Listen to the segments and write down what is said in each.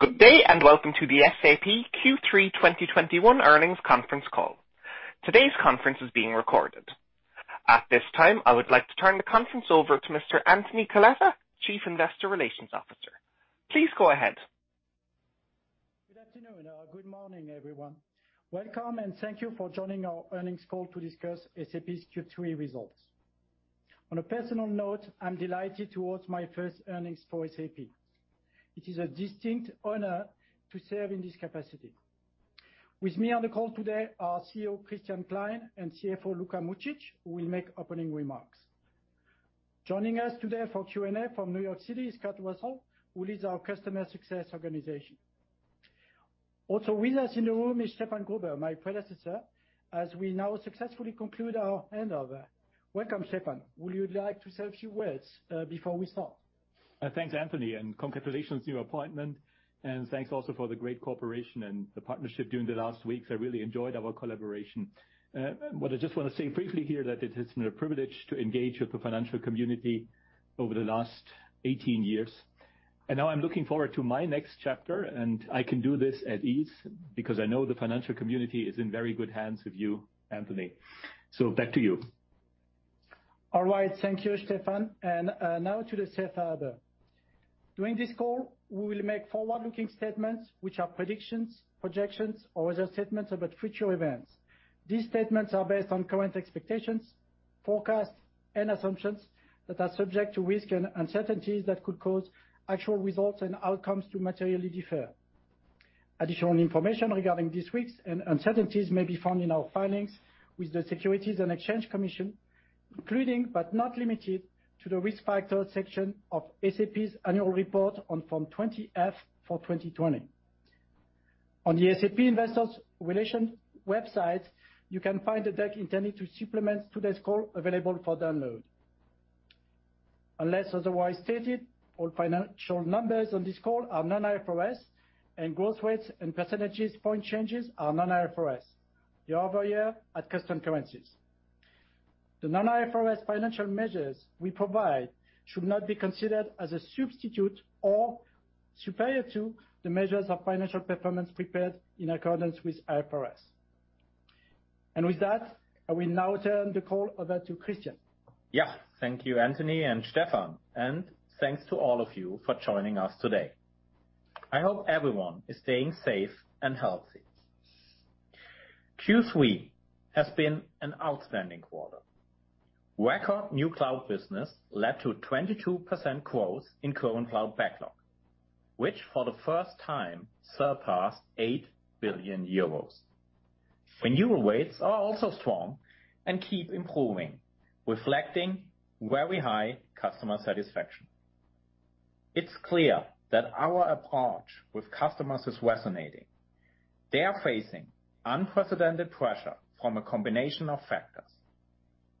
Good day, and welcome to the SAP Q3 2021 earnings conference call. Today's conference is being recorded. At this time, I would like to turn the conference over to Mr. Anthony Coletta, Chief Investor Relations Officer. Please go ahead. Good afternoon. Good morning, everyone. Welcome, and thank you for joining our earnings call to discuss SAP's Q3 results. On a personal note, I'm delighted to host my first earnings for SAP. It is a distinct honor to serve in this capacity. With me on the call today are CEO Christian Klein and CFO Luka Mucic, who will make opening remarks. Joining us today for Q&A from New York City is Scott Russell, who leads our customer success organization. Also with us in the room is Stefan Gruber, my predecessor, as we now successfully conclude our handover. Welcome, Stefan. Would you like to say a few words before we start? Thanks, Anthony, and congratulations on your appointment. Thanks also for the great cooperation and the partnership during the last weeks. I really enjoyed our collaboration. What I just want to say briefly here, that it has been a privilege to engage with the financial community over the last 18 years. Now I'm looking forward to my next chapter, and I can do this at ease because I know the financial community is in very good hands with you, Anthony. Back to you. All right. Thank you, Stefan. Now to the safe harbor. During this call, we will make forward-looking statements which are predictions, projections, or other statements about future events. These statements are based on current expectations, forecasts, and assumptions that are subject to risks and uncertainties that could cause actual results and outcomes to materially differ. Additional information regarding this risk and uncertainties may be found in our filings with the Securities and Exchange Commission, including, but not limited to, the Risk Factors section of SAP's annual report on Form 20-F for 2020. On the SAP investor relations website, you can find a deck intended to supplement today's call available for download. Unless otherwise stated, all financial numbers on this call are non-IFRS, and growth rates and percentage point changes are non-IFRS, year-over-year at custom currencies. The non-IFRS financial measures we provide should not be considered as a substitute or superior to the measures of financial performance prepared in accordance with IFRS. With that, I will now turn the call over to Christian. Yeah. Thank you, Anthony and Stefan. Thanks to all of you for joining us today. I hope everyone is staying safe and healthy. Q3 has been an outstanding quarter. Record new cloud business led to 22% growth in current cloud backlog, which for the first time surpassed 8 billion euros. Renewal rates are also strong and keep improving, reflecting very high customer satisfaction. It's clear that our approach with customers is resonating. They are facing unprecedented pressure from a combination of factors,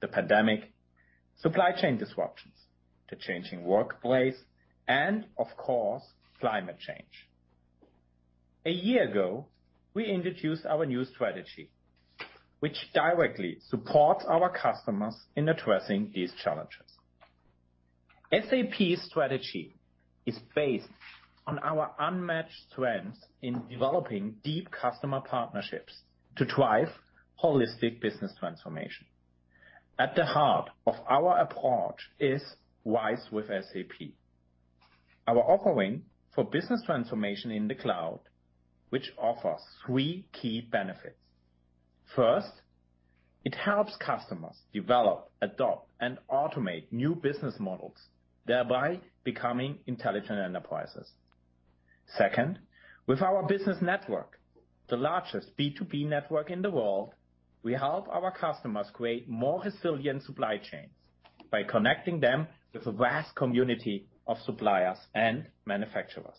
the pandemic, supply chain disruptions, the changing workplace, and of course, climate change. A year ago, we introduced our new strategy, which directly supports our customers in addressing these challenges. SAP's strategy is based on our unmatched strengths in developing deep customer partnerships to drive holistic business transformation. At the heart of our approach is RISE with SAP, our offering for business transformation in the cloud, which offers three key benefits. First, it helps customers develop, adopt, and automate new business models, thereby becoming intelligent enterprises. Second, with our business network, the largest B2B network in the world, we help our customers create more resilient supply chains by connecting them with a vast community of suppliers and manufacturers.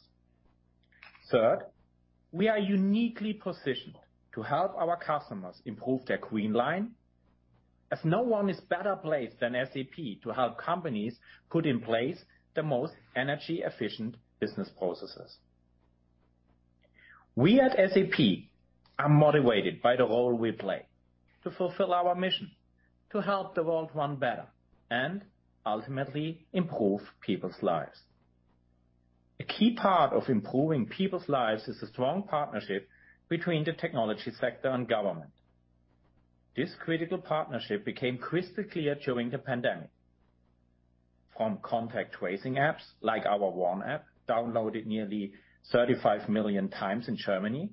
Third, we are uniquely positioned to help our customers improve their green line, as no one is better placed than SAP to help companies put in place the most energy-efficient business processes. We at SAP are motivated by the role we play to fulfill our mission, to help the world run better and ultimately improve people's lives. A key part of improving people's lives is a strong partnership between the technology sector and government. This critical partnership became crystal clear during the pandemic. From contact tracing apps, like our Corona-Warn-App, downloaded nearly 35 million times in Germany,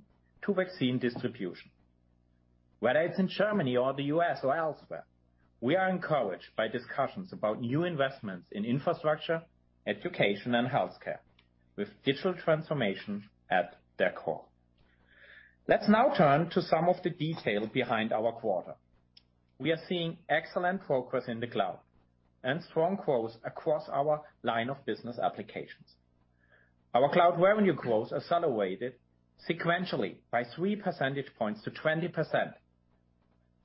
to vaccine distribution. Whether it's in Germany or the U.S. or elsewhere, we are encouraged by discussions about new investments in infrastructure, education, and healthcare with digital transformation at their core. Let's now turn to some of the detail behind our quarter. We are seeing excellent progress in the cloud and strong growth across our line of business applications. Our cloud revenue growth accelerated sequentially by 3 percentage points to 20%,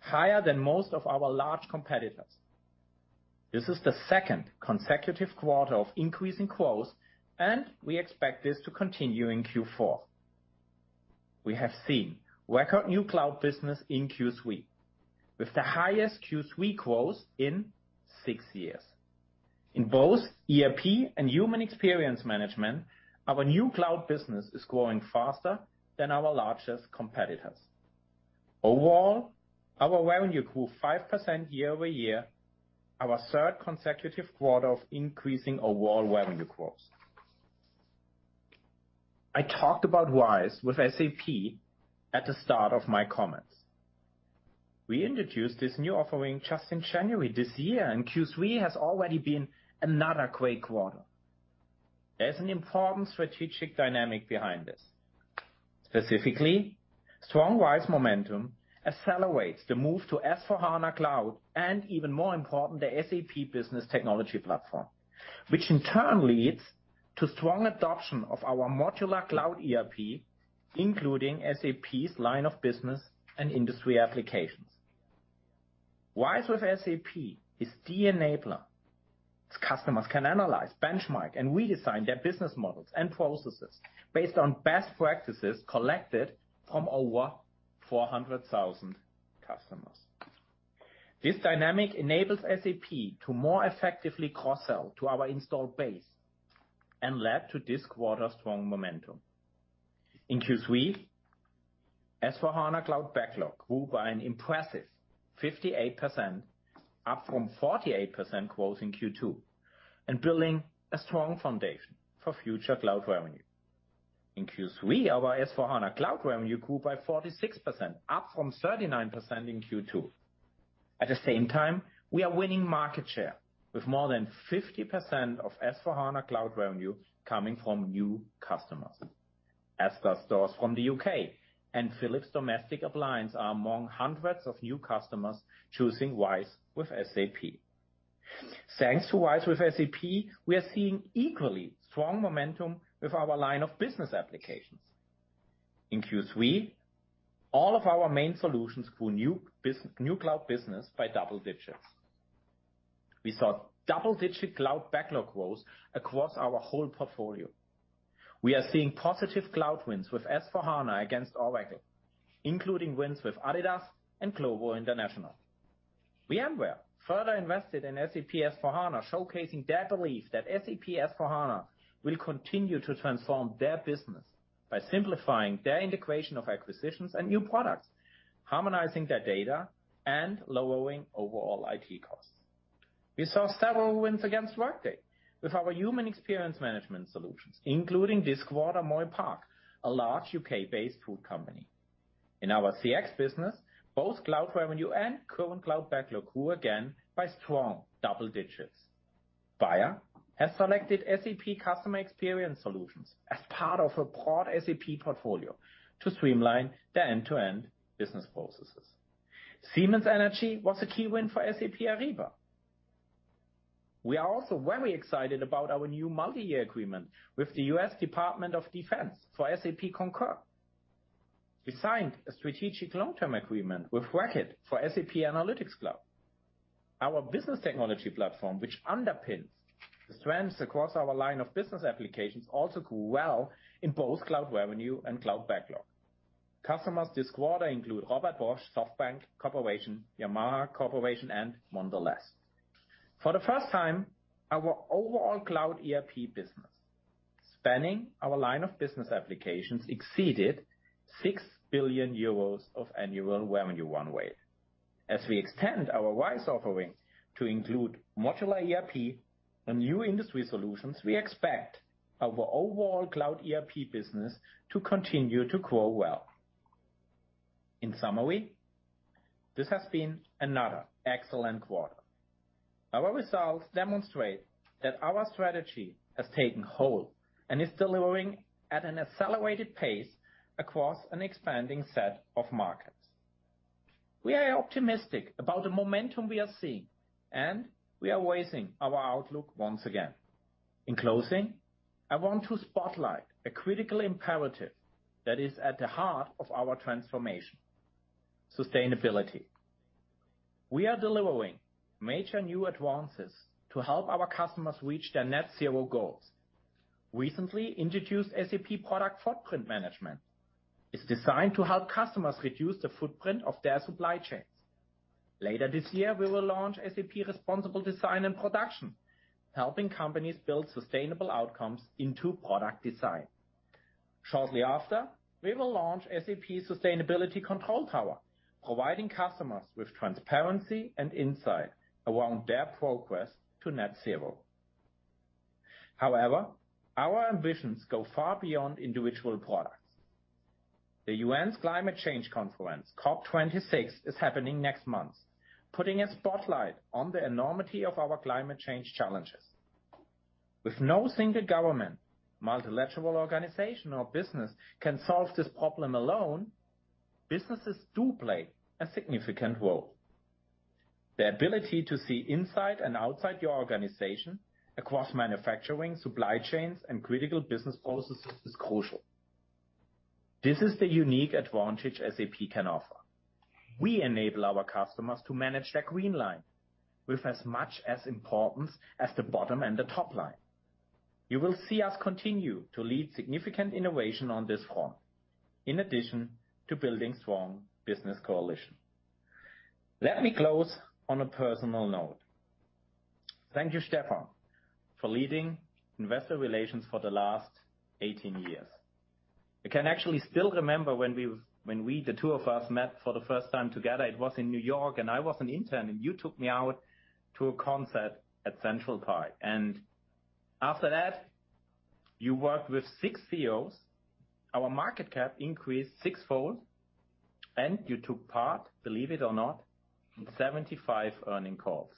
higher than most of our large competitors. This is the second consecutive quarter of increasing growth. We expect this to continue in Q4. We have seen record new cloud business in Q3 with the highest Q3 growth in six years. In both ERP and Human Experience Management, our new cloud business is growing faster than our largest competitors. Overall, our revenue grew 5% year-over-year, our third consecutive quarter of increasing overall revenue growth. I talked about RISE with SAP at the start of my comments. We introduced this new offering just in January this year, and Q3 has already been another great quarter. There's an important strategic dynamic behind this. Specifically, strong RISE momentum accelerates the move to S/4HANA Cloud and even more important, the SAP Business Technology Platform, which in turn leads to strong adoption of our modular cloud ERP, including SAP's line of business and industry applications. RISE with SAP is the enabler, as customers can analyze, benchmark, and redesign their business models and processes based on best practices collected from over 400,000 customers. This dynamic enables SAP to more effectively cross-sell to our installed base and led to this quarter's strong momentum. In Q3, S/4HANA Cloud backlog grew by an impressive 58%, up from 48% growth in Q2 and building a strong foundation for future cloud revenue. In Q3, our S/4HANA Cloud revenue grew by 46%, up from 39% in Q2. At the same time, we are winning market share with more than 50% of S/4HANA Cloud revenue coming from new customers. Asda Stores from the U.K. and Philips Domestic Appliances are among hundreds of new customers choosing RISE with SAP. Thanks to RISE with SAP, we are seeing equally strong momentum with our line of business applications. In Q3, all of our main solutions grew new cloud business by double digits. We saw double-digit cloud backlog growth across our whole portfolio. We are seeing positive cloud wins with S/4HANA against Oracle, including wins with Adidas and Globo International. VMware further invested in SAP S/4HANA, showcasing their belief that SAP S/4HANA will continue to transform their business by simplifying their integration of acquisitions and new products, harmonizing their data, and lowering overall IT costs. We saw several wins against Workday with our Human Experience Management solutions, including this quarter, Moy Park, a large U.K.-based food company. In our CX business, both cloud revenue and current cloud backlog grew again by strong double digits. Bayer has selected SAP customer experience solutions as part of a broad SAP portfolio to streamline their end-to-end business processes. Siemens Energy was a key win for SAP Ariba. We are also very excited about our new multi-year agreement with the U.S. Department of Defense for SAP Concur. We signed a strategic long-term agreement with Roche for SAP Analytics Cloud. Our SAP Business Technology Platform, which underpins the strengths across our line of business applications, also grew well in both cloud revenue and cloud backlog. Customers this quarter include Robert Bosch, SoftBank Corporation, Yamaha Corporation, and Mondelez. For the first time, our overall cloud ERP business spanning our line of business applications exceeded 6 billion euros of annual revenue run rate. As we extend our RISE offering to include modular ERP and new industry solutions, we expect our overall cloud ERP business to continue to grow well. In summary, this has been another excellent quarter. Our results demonstrate that our strategy has taken hold and is delivering at an accelerated pace across an expanding set of markets. We are optimistic about the momentum we are seeing, and we are raising our outlook once again. In closing, I want to spotlight a critical imperative that is at the heart of our transformation, sustainability. We are delivering major new advances to help our customers reach their net zero goals. Recently introduced SAP Product Footprint Management is designed to help customers reduce the footprint of their supply chains. Later this year, we will launch SAP Responsible Design and Production, helping companies build sustainable outcomes into product design. Shortly after, we will launch SAP Sustainability Control Tower, providing customers with transparency and insight around their progress to net zero. However, our ambitions go far beyond individual products. The UN's Climate Change Conference, COP26, is happening next month, putting a spotlight on the enormity of our climate change challenges. With no single government, multilateral organization, or business can solve this problem alone, businesses do play a significant role. The ability to see inside and outside your organization, across manufacturing, supply chains, and critical business processes is crucial. This is the unique advantage SAP can offer. We enable our customers to manage their green line with as much importance as the bottom and the top line. You will see us continue to lead significant innovation on this front, in addition to building strong business coalition. Let me close on a personal note. Thank you, Stefan, for leading investor relations for the last 18 years. I can actually still remember when we, the two of us, met for the first time together. It was in New York, and I was an intern, and you took me out to a concert at Central Park. After that, you worked with six CEOs, our market cap increased sixfold, and you took part, believe it or not, in 75 earning calls.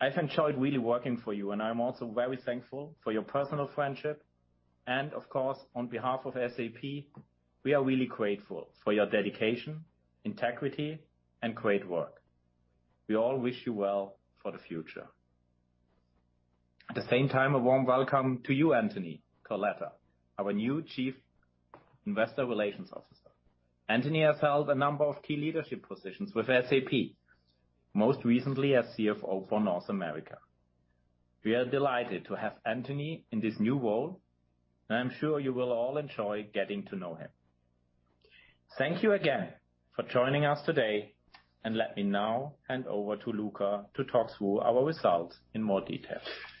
I've enjoyed really working for you, and I'm also very thankful for your personal friendship. Of course, on behalf of SAP, we are really grateful for your dedication, integrity, and great work. We all wish you well for the future. At the same time, a warm welcome to you, Anthony Coletta, our new Chief Investor Relations Officer. Anthony has held a number of key leadership positions with SAP, most recently as CFO for North America. We are delighted to have Anthony in this new role, and I'm sure you will all enjoy getting to know him. Thank you again for joining us today, and let me now hand over to Luka to talk through our results in more detail.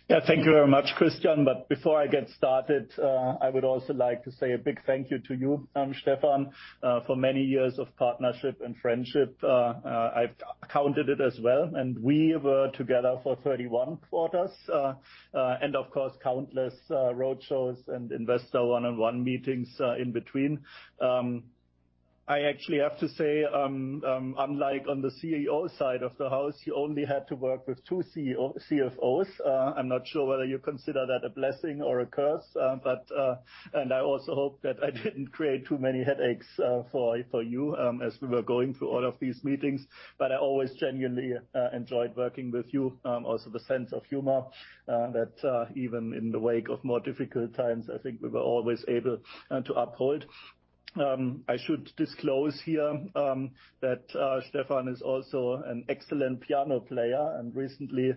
Thank you very much, Christian. Before I get started, I would also like to say a big thank you to you, Stefan, for many years of partnership and friendship. I've counted it as well, and we were together for 31 quarters. Of course, countless road shows and investor one-on-one meetings in between. I actually have to say, unlike on the CEO side of the house, you only had to work with two CFOs. I'm not sure whether you consider that a blessing or a curse. I also hope that I didn't create too many headaches for you as we were going through all of these meetings. I always genuinely enjoyed working with you. Also, the sense of humor that even in the wake of more difficult times, I think we were always able to uphold. I should disclose here that Stefan is also an excellent piano player, and recently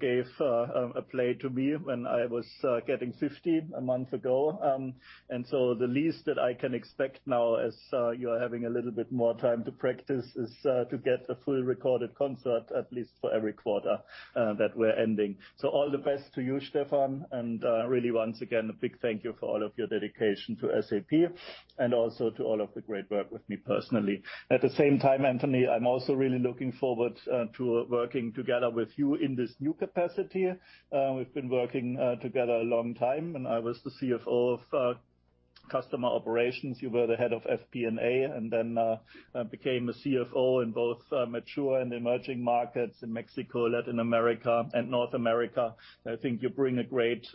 gave a play to me when I was getting 50 a month ago. The least that I can expect now as you're having a little bit more time to practice is to get a fully recorded concert at least for every quarter that we're ending. All the best to you, Stefan, and really once again, a big thank you for all of your dedication to SAP and also to all of the great work with me personally. At the same time, Anthony, I'm also really looking forward to working together with you in this new capacity. We've been working together a long time. When I was the CFO of customer operations, you were the Head of FP&A and then became a CFO in both mature and emerging markets in Mexico, Latin America, and North America. I think you bring a great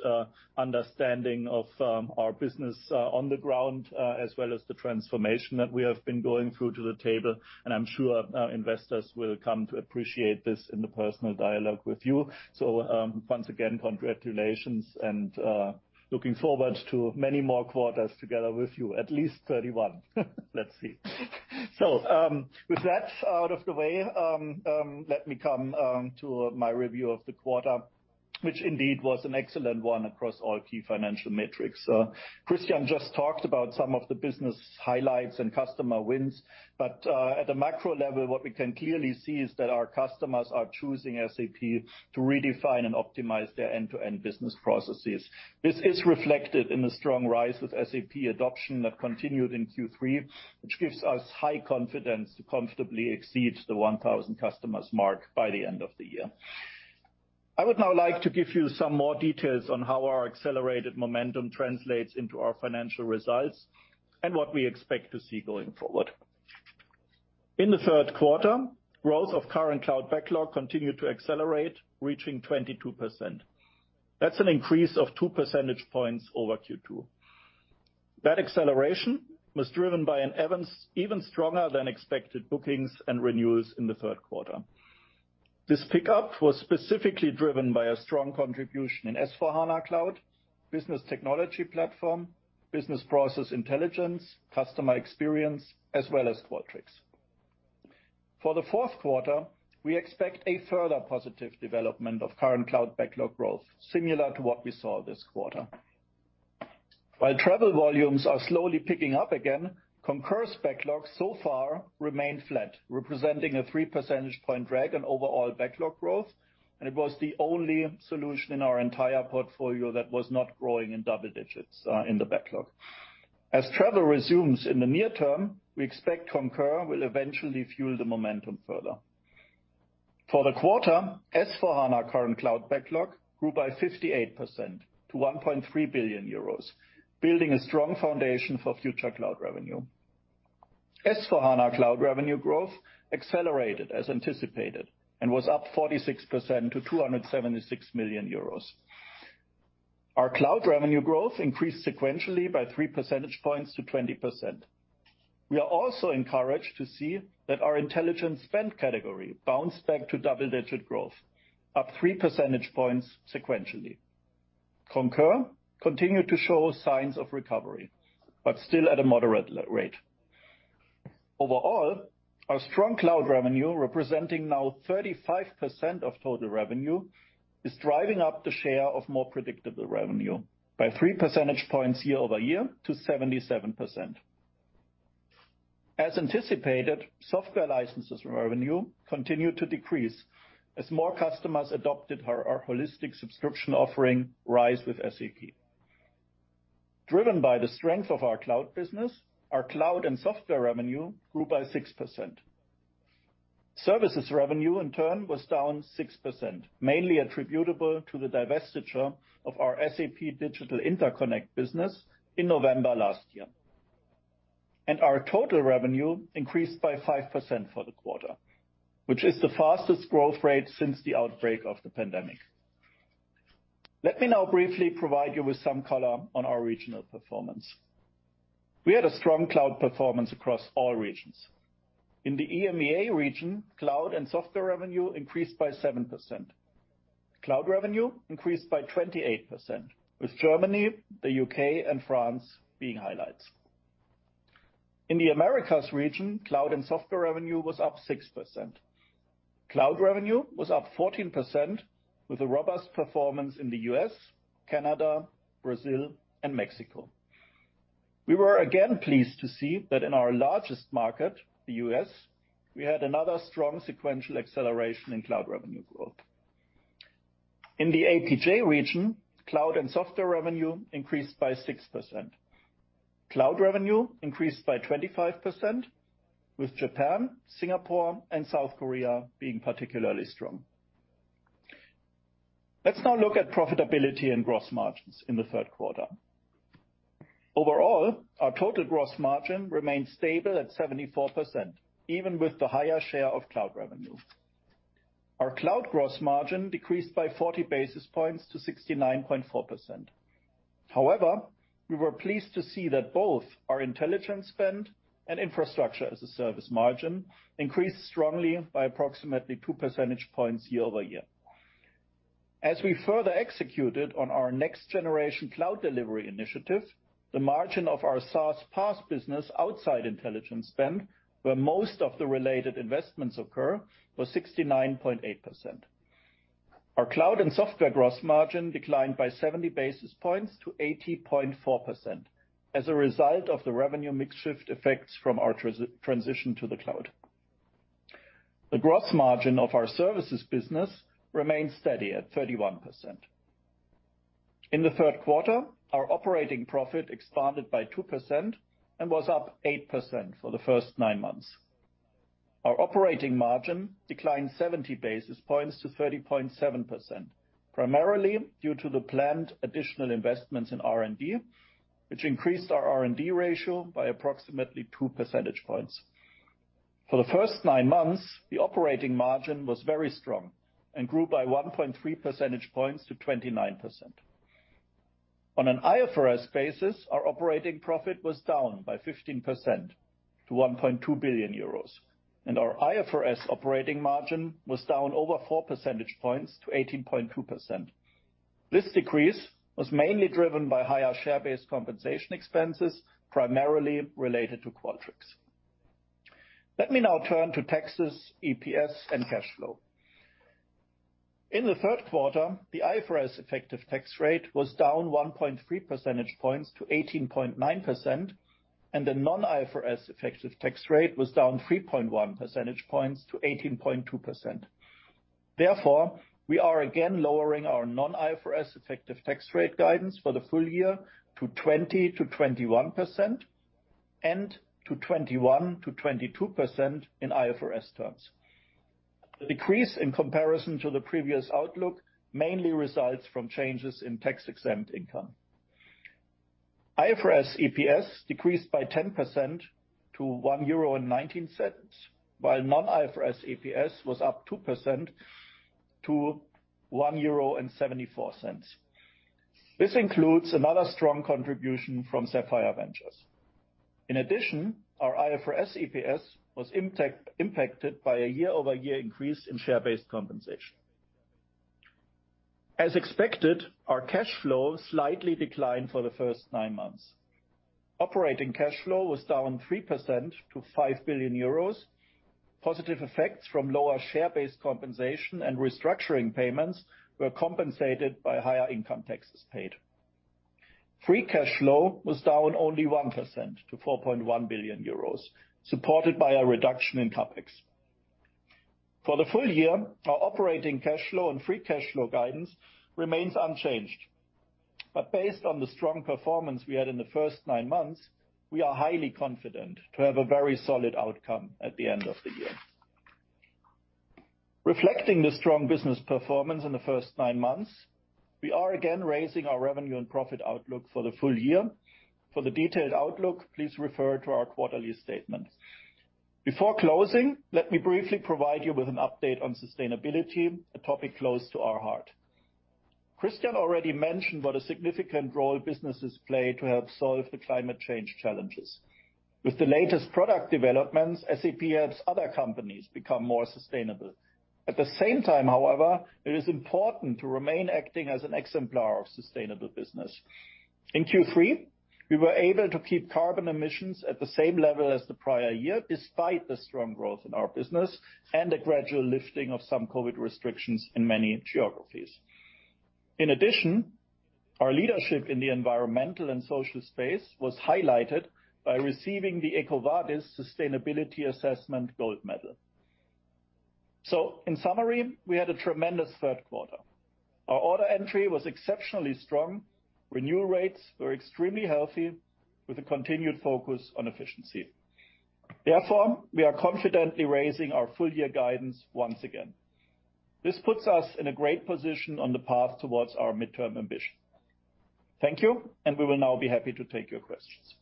understanding of our business on the ground, as well as the transformation that we have been going through to the table, and I'm sure investors will come to appreciate this in the personal dialogue with you. Once again, congratulations and looking forward to many more quarters together with you, at least 31. Let's see. With that out of the way, let me come to my review of the quarter, which indeed was an excellent one across all key financial metrics. Christian just talked about some of the business highlights and customer wins. At a macro level, what we can clearly see is that our customers are choosing SAP to redefine and optimize their end-to-end business processes. This is reflected in the strong RISE with SAP adoption that continued in Q3, which gives us high confidence to comfortably exceed the 1,000 customers mark by the end of the year. I would now like to give you some more details on how our accelerated momentum translates into our financial results and what we expect to see going forward. In the third quarter, growth of current cloud backlog continued to accelerate, reaching 22%. That's an increase of 2 percentage points over Q2. That acceleration was driven by an even stronger than expected bookings and renewals in the third quarter. This pickup was specifically driven by a strong contribution in SAP S/4HANA Cloud, SAP Business Technology Platform, SAP Business Process Intelligence, customer experience, as well as Qualtrics. For the fourth quarter, we expect a further positive development of current cloud backlog growth, similar to what we saw this quarter. While travel volumes are slowly picking up again, Concur's backlog so far remained flat, representing a 3 percentage point drag on overall backlog growth, and it was the only solution in our entire portfolio that was not growing in double digits, in the backlog. As travel resumes in the near term, we expect Concur will eventually fuel the momentum further. For the quarter, SAP S/4HANA current cloud backlog grew by 58% to 1.3 billion euros, building a strong foundation for future cloud revenue. SAP S/4HANA cloud revenue growth accelerated as anticipated and was up 46% to 276 million euros. Our cloud revenue growth increased sequentially by 3 percentage points to 20%. We are also encouraged to see that our intelligent spend category bounced back to double-digit growth, up 3 percentage points sequentially. Concur continued to show signs of recovery, but still at a moderate rate. Overall, our strong cloud revenue, representing now 35% of total revenue, is driving up the share of more predictable revenue by 3 percentage points year-over-year to 77%. As anticipated, software licenses revenue continued to decrease as more customers adopted our holistic subscription offering, RISE with SAP. Driven by the strength of our cloud business, our cloud and software revenue grew by 6%. Services revenue, in turn, was down 6%, mainly attributable to the divestiture of our SAP Digital Interconnect business in November last year. Our total revenue increased by 5% for the quarter, which is the fastest growth rate since the outbreak of the pandemic. Let me now briefly provide you with some color on our regional performance. We had a strong cloud performance across all regions. In the EMEA region, cloud and software revenue increased by 7%. Cloud revenue increased by 28%, with Germany, the U.K., and France being highlights. In the Americas region, cloud and software revenue was up 6%. Cloud revenue was up 14%, with a robust performance in the U.S., Canada, Brazil, and Mexico. We were again pleased to see that in our largest market, the U.S., we had another strong sequential acceleration in cloud revenue growth. In the APJ region, cloud and software revenue increased by 6%. Cloud revenue increased by 25%, with Japan, Singapore, and South Korea being particularly strong. Let's now look at profitability and gross margins in the third quarter. Overall, our total gross margin remained stable at 74%, even with the higher share of cloud revenue. Our cloud gross margin decreased by 40 basis points to 69.4%. However, we were pleased to see that both our intelligent spend and Infrastructure as a Service margin increased strongly by approximately two percentage points year-over-year. As we further executed on our next-generation cloud delivery initiative, the margin of our SaaS PaaS business outside intelligent spend, where most of the related investments occur, was 69.8%. Our cloud and software gross margin declined by 70 basis points to 80.4% as a result of the revenue mix shift effects from our transition to the cloud. The gross margin of our services business remained steady at 31%. In the third quarter, our operating profit expanded by 2% and was up 8% for the first nine months. Our operating margin declined 70 basis points to 30.7%, primarily due to the planned additional investments in R&D, which increased our R&D ratio by approximately two percentage points. For the first nine months, the operating margin was very strong and grew by 1.3 percentage points to 29%. On an IFRS basis, our operating profit was down by 15% to 1.2 billion euros, and our IFRS operating margin was down over four percentage points to 18.2%. This decrease was mainly driven by higher share-based compensation expenses, primarily related to Qualtrics. Let me now turn to taxes, EPS, and cash flow. In the third quarter, the IFRS effective tax rate was down 1.3 percentage points to 18.9%, and the non-IFRS effective tax rate was down 3.1 percentage points to 18.2%. Therefore, we are again lowering our non-IFRS effective tax rate guidance for the full year to 20%-21%, and to 21%-22% in IFRS terms. The decrease in comparison to the previous outlook mainly results from changes in tax-exempt income. IFRS EPS decreased by 10% to 1.19 euro, while non-IFRS EPS was up 2% to 1.74 euro. This includes another strong contribution from Sapphire Ventures. In addition, our IFRS EPS was impacted by a year-over-year increase in share-based compensation. As expected, our cash flow slightly declined for the first nine months. Operating cash flow was down 3% to 5 billion euros. Positive effects from lower share-based compensation and restructuring payments were compensated by higher income taxes paid. Free cash flow was down only 1% to 4.1 billion euros, supported by a reduction in CapEx. For the full year, our operating cash flow and free cash flow guidance remains unchanged. Based on the strong performance we had in the first nine months, we are highly confident to have a very solid outcome at the end of the year. Reflecting the strong business performance in the first nine months, we are again raising our revenue and profit outlook for the full year. For the detailed outlook, please refer to our quarterly statements. Before closing, let me briefly provide you with an update on sustainability, a topic close to our heart. Christian already mentioned what a significant role businesses play to help solve the climate change challenges. With the latest product developments, SAP helps other companies become more sustainable. At the same time, however, it is important to remain acting as an exemplar of sustainable business. In Q3, we were able to keep carbon emissions at the same level as the prior year, despite the strong growth in our business and a gradual lifting of some COVID restrictions in many geographies. In addition, our leadership in the environmental and social space was highlighted by receiving the EcoVadis Sustainability Assessment gold medal. In summary, we had a tremendous third quarter. Our order entry was exceptionally strong. Renewal rates were extremely healthy with a continued focus on efficiency. Therefore, we are confidently raising our full-year guidance once again. This puts us in a great position on the path towards our midterm ambition. Thank you, and we will now be happy to take your questions.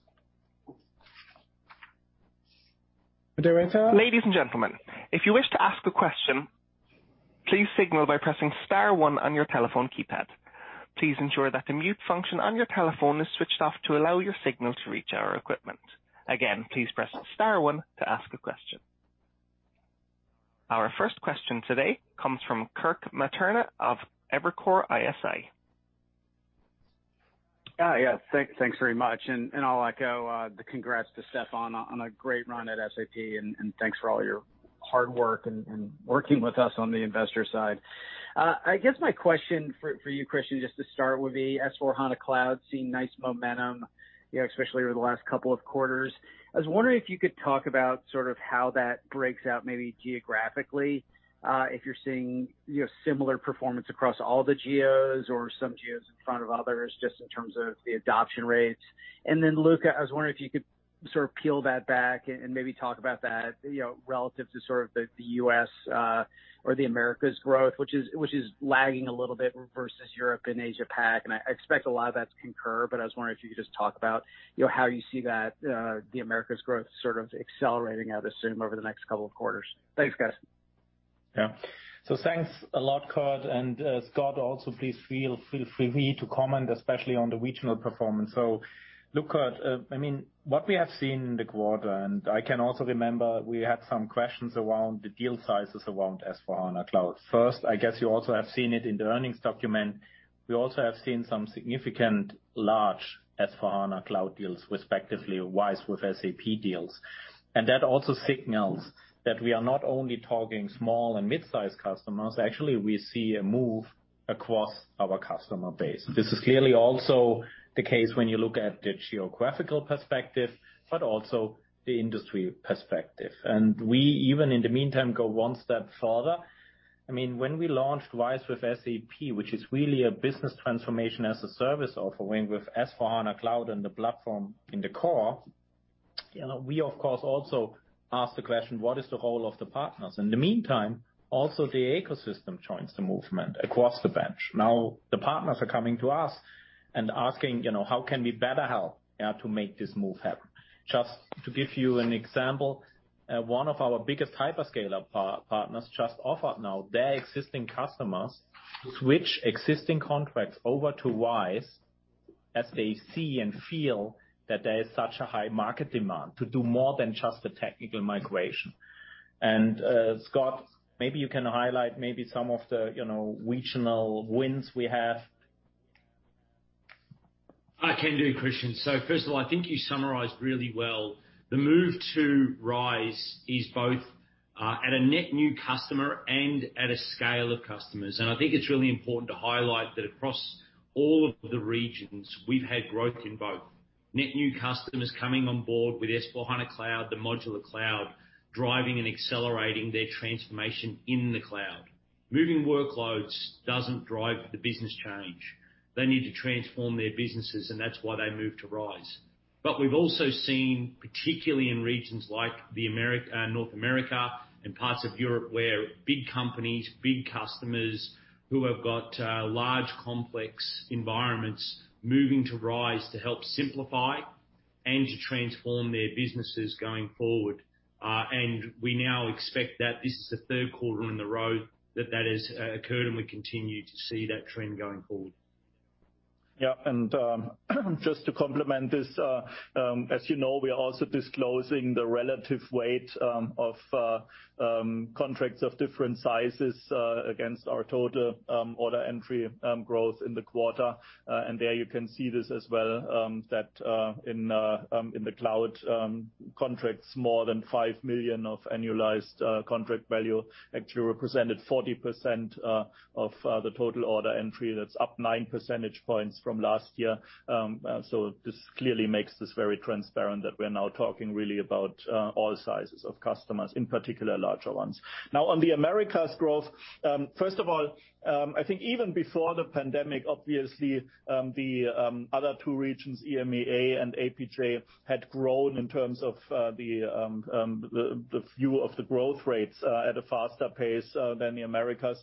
Ladies and gentlemen, if you wish to ask a question, please signal by pressing star one on your telephone keypad. Please ensure that the mute function on your telephone is switched off to allow your signal to reach our equipment. Again, please press star one to ask a question. Our first question today comes from Kirk Materne of Evercore ISI. Yeah. Thanks very much. I'll echo the congrats to Stefan on a great run at SAP, and thanks for all your hard work and working with us on the investor side. I guess my question for you, Christian, just to start, would be S/4HANA Cloud seeing nice momentum, especially over the last two quarters. I was wondering if you could talk about sort of how that breaks out, maybe geographically, if you're seeing similar performance across all the geos or some geos in front of others just in terms of the adoption rates. Then Luka, I was wondering if you could sort of peel that back and maybe talk about that relative to sort of the U.S. or the Americas growth, which is lagging a little bit versus Europe and Asia-Pac. I expect a lot of that's Concur. I was wondering if you could just talk about how you see that, the Americas growth sort of accelerating out as soon over the next couple of quarters. Thanks, guys. Yeah. Thanks a lot, Kirk, and Scott Russell also, please feel free to comment, especially on the regional performance. Look, Kirk, what we have seen in the quarter, and I can also remember we had some questions around the deal sizes around S/4HANA Cloud. First, I guess you also have seen it in the earnings document. We also have seen some significant large S/4HANA Cloud deals, respectively, RISE with SAP deals. That also signals that we are not only targeting small and midsize customers. Actually, we see a move across our customer base. This is clearly also the case when you look at the geographical perspective, but also the industry perspective. We even in the meantime, go one step further. When we launched RISE with SAP, which is really a business transformation as a service offering with S/4HANA Cloud and the platform in the core, we, of course, also asked the question, what is the role of the partners? In the meantime, also the ecosystem joins the movement across the bench. Now the partners are coming to us and asking, how can we better help to make this move happen? Just to give you an example, one of our biggest hyperscaler partners just offered now their existing customers to switch existing contracts over to RISE as they see and feel that there is such a high market demand to do more than just the technical migration. Scott, maybe you can highlight maybe some of the regional wins we have. I can do, Christian. First of all, I think you summarized really well the move to RISE is both at a net new customer and at a scale of customers. I think it's really important to highlight that across all of the regions, we've had growth in both. Net new customers coming on board with SAP S/4HANA Cloud, the modular cloud, driving and accelerating their transformation in the cloud. Moving workloads doesn't drive the business change. They need to transform their businesses, and that's why they move to RISE. We've also seen, particularly in regions like North America and parts of Europe, where big companies, big customers who have got large, complex environments moving to RISE to help simplify and to transform their businesses going forward. We now expect that this is the third quarter in a row that that has occurred, and we continue to see that trend going forward. Yeah. Just to complement this, as you know, we are also disclosing the relative weight of contracts of different sizes against our total order entry growth in the quarter. There you can see this as well, that in the cloud contracts, more than 5 million of annualized contract value actually represented 40% of the total order entry. That's up nine percentage points from last year. This clearly makes this very transparent that we're now talking really about all sizes of customers, in particular, larger ones. Now on the Americas growth, first of all, I think even before the pandemic, obviously, the other two regions, EMEA and APJ, had grown in terms of the view of the growth rates at a faster pace than the Americas,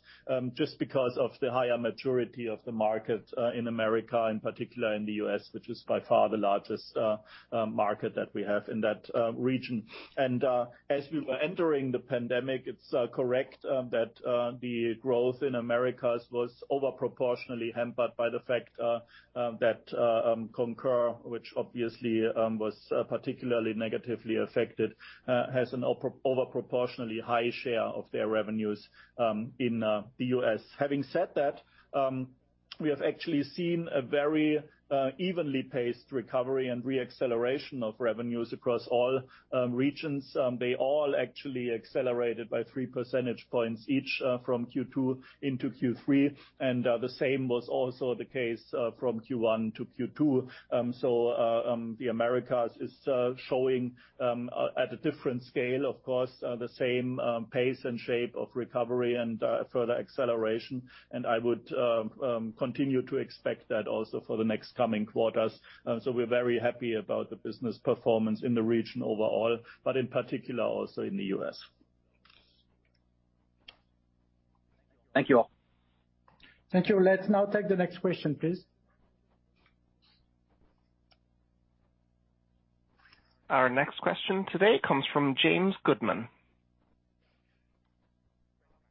just because of the higher maturity of the market in America, in particular in the U.S., which is by far the largest market that we have in that region. As we were entering the pandemic, it's correct that the growth in Americas was over-proportionally hampered by the fact that Concur, which obviously was particularly negatively affected, has an over-proportionally high share of their revenues in the U.S. Having said that, we have actually seen a very evenly paced recovery and re-acceleration of revenues across all regions. They all actually accelerated by 3 percentage points each from Q2 into Q3, and the same was also the case from Q1 to Q2. The Americas is showing at a different scale, of course, the same pace and shape of recovery and further acceleration, and I would continue to expect that also for the next coming quarters. We're very happy about the business performance in the region overall, but in particular also in the U.S. Thank you all. Thank you. Let's now take the next question, please. Our next question today comes from James Goodman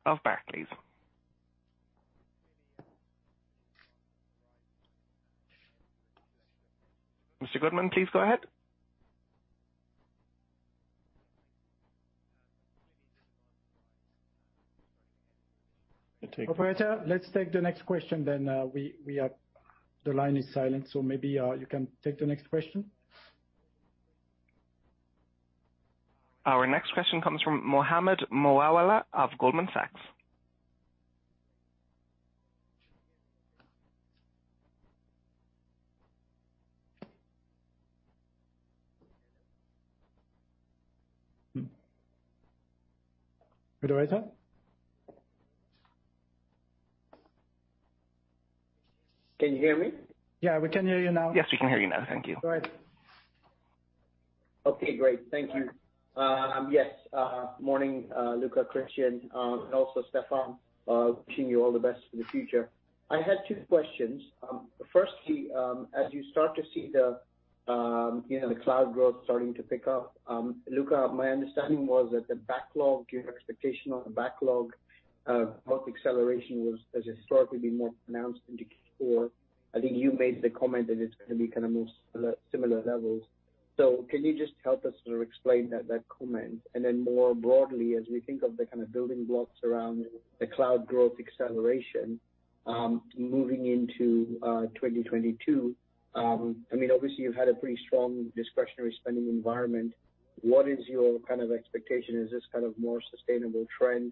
of Barclays. Mr. Goodman, please go ahead. I take- Operator, let's take the next question then. The line is silent. Maybe you can take the next question. Our next question comes from Mohammed Moawalla of Goldman Sachs. Operator? Can you hear me? Yeah, we can hear you now. Yes, we can hear you now. Thank you. Go ahead. Okay, great. Thank you. Yes. Morning, Luka Mucic, Christian Klein, and also Stefan Gruber. Wishing you all the best for the future. I had two questions. Firstly, as you start to see the cloud growth starting to pick up, Luka, my understanding was that the backlog, your expectation on the backlog growth acceleration has historically been more pronounced in Q4. I think you made the comment that it's going to be kind of more similar levels. Can you just help us sort of explain that comment? More broadly, as we think of the kind of building blocks around the cloud growth acceleration, moving into 2022, obviously you've had a pretty strong discretionary spending environment. What is your expectation? Is this kind of more sustainable trend?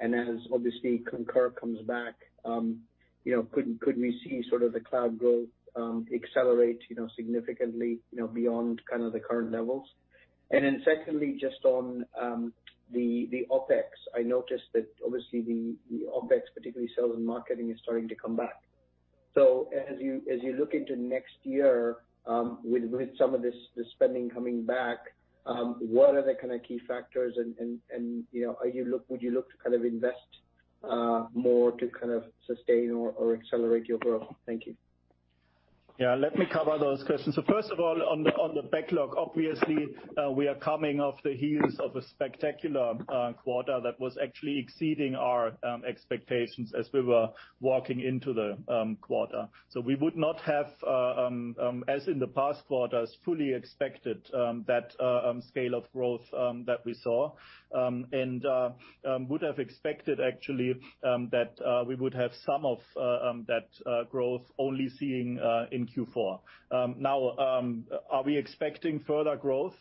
As obviously Concur comes back, could we see sort of the cloud growth accelerate significantly beyond the current levels? Secondly, just on the OpEx, I noticed that obviously the OpEx, particularly sales and marketing, is starting to come back. As you look into next year with some of this spending coming back, what are the kind of key factors and would you look to invest more to sustain or accelerate your growth? Thank you. Yeah, let me cover those questions. First of all, on the backlog, obviously, we are coming off the heels of a spectacular quarter that was actually exceeding our expectations as we were walking into the quarter. We would not have, as in the past quarters, fully expected that scale of growth that we saw. Would have expected, actually, that we would have some of that growth only seeing in Q4. Are we expecting further growth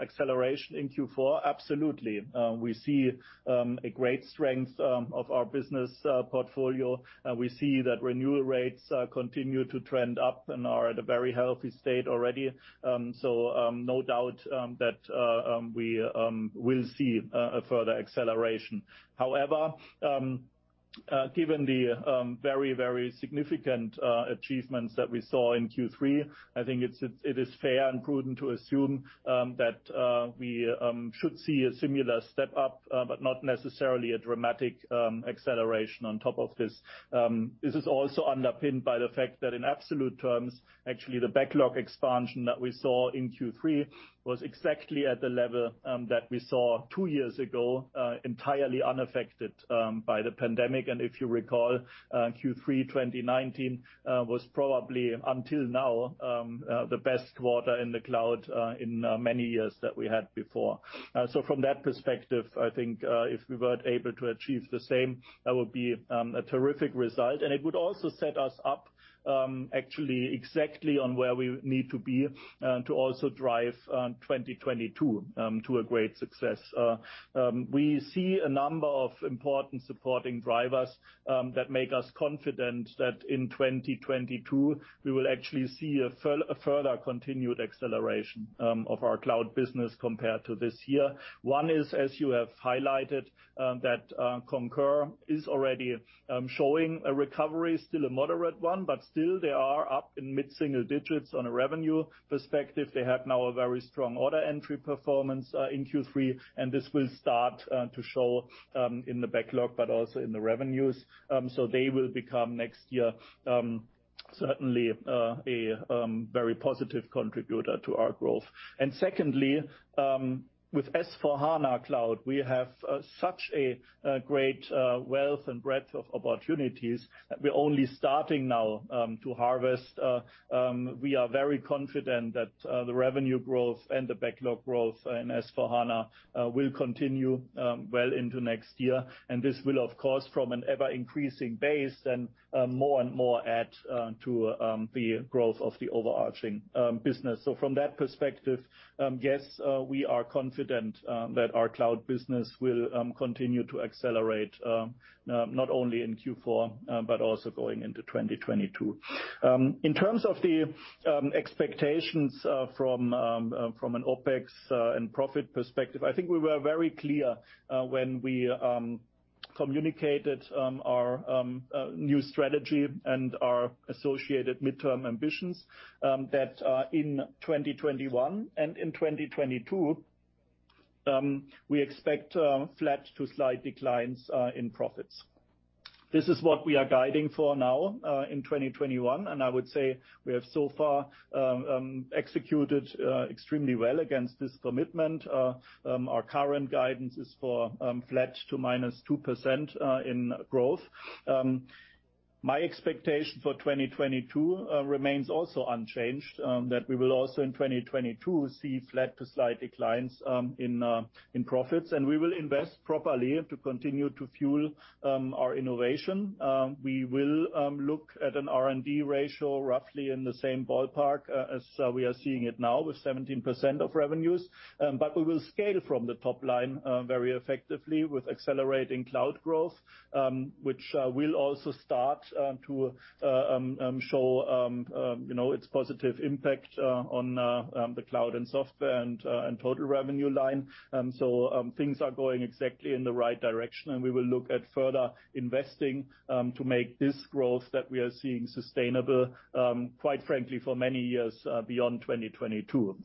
acceleration in Q4? Absolutely. We see a great strength of our business portfolio. We see that renewal rates continue to trend up and are at a very healthy state already. No doubt that we will see a further acceleration. However, given the very, very significant achievements that we saw in Q3, I think it is fair and prudent to assume that we should see a similar step up, but not necessarily a dramatic acceleration on top of this. This is also underpinned by the fact that in absolute terms, actually, the backlog expansion that we saw in Q3 was exactly at the level that we saw two years ago, entirely unaffected by the pandemic. If you recall, Q3 2019 was probably, until now, the best quarter in the cloud in many years that we had before. From that perspective, I think if we were able to achieve the same, that would be a terrific result, and it would also set us up actually exactly on where we need to be to also drive 2022 to a great success. We see a number of important supporting drivers that make us confident that in 2022, we will actually see a further continued acceleration of our cloud business compared to this year. One is, as you have highlighted, that Concur is already showing a recovery, still a moderate one, but still they are up in mid-single digits on a revenue perspective. They have now a very strong order entry performance in Q3, and this will start to show in the backlog, but also in the revenues. They will become next year, certainly, a very positive contributor to our growth. Secondly, with S/4HANA Cloud, we have such a great wealth and breadth of opportunities that we're only starting now to harvest. We are very confident that the revenue growth and the backlog growth in S/4HANA will continue well into next year. This will, of course, from an ever-increasing base and more and more add to the growth of the overarching business. From that perspective, yes, we are confident that our cloud business will continue to accelerate, not only in Q4 but also going into 2022. In terms of the expectations from an OpEx and profit perspective, I think we were very clear when we communicated our new strategy and our associated midterm ambitions that in 2021 and in 2022, we expect flat to slight declines in profits. This is what we are guiding for now in 2021, and I would say we have so far executed extremely well against this commitment. Our current guidance is for flat to -2% in growth. My expectation for 2022 remains also unchanged, that we will also in 2022 see flat to slight declines in profits, and we will invest properly to continue to fuel our innovation. We will look at an R&D ratio roughly in the same ballpark as we are seeing it now, with 17% of revenues. We will scale from the top line very effectively with accelerating cloud growth, which will also start to show its positive impact on the cloud and software and total revenue line. Things are going exactly in the right direction, and we will look at further investing to make this growth that we are seeing sustainable, quite frankly, for many years beyond 2022.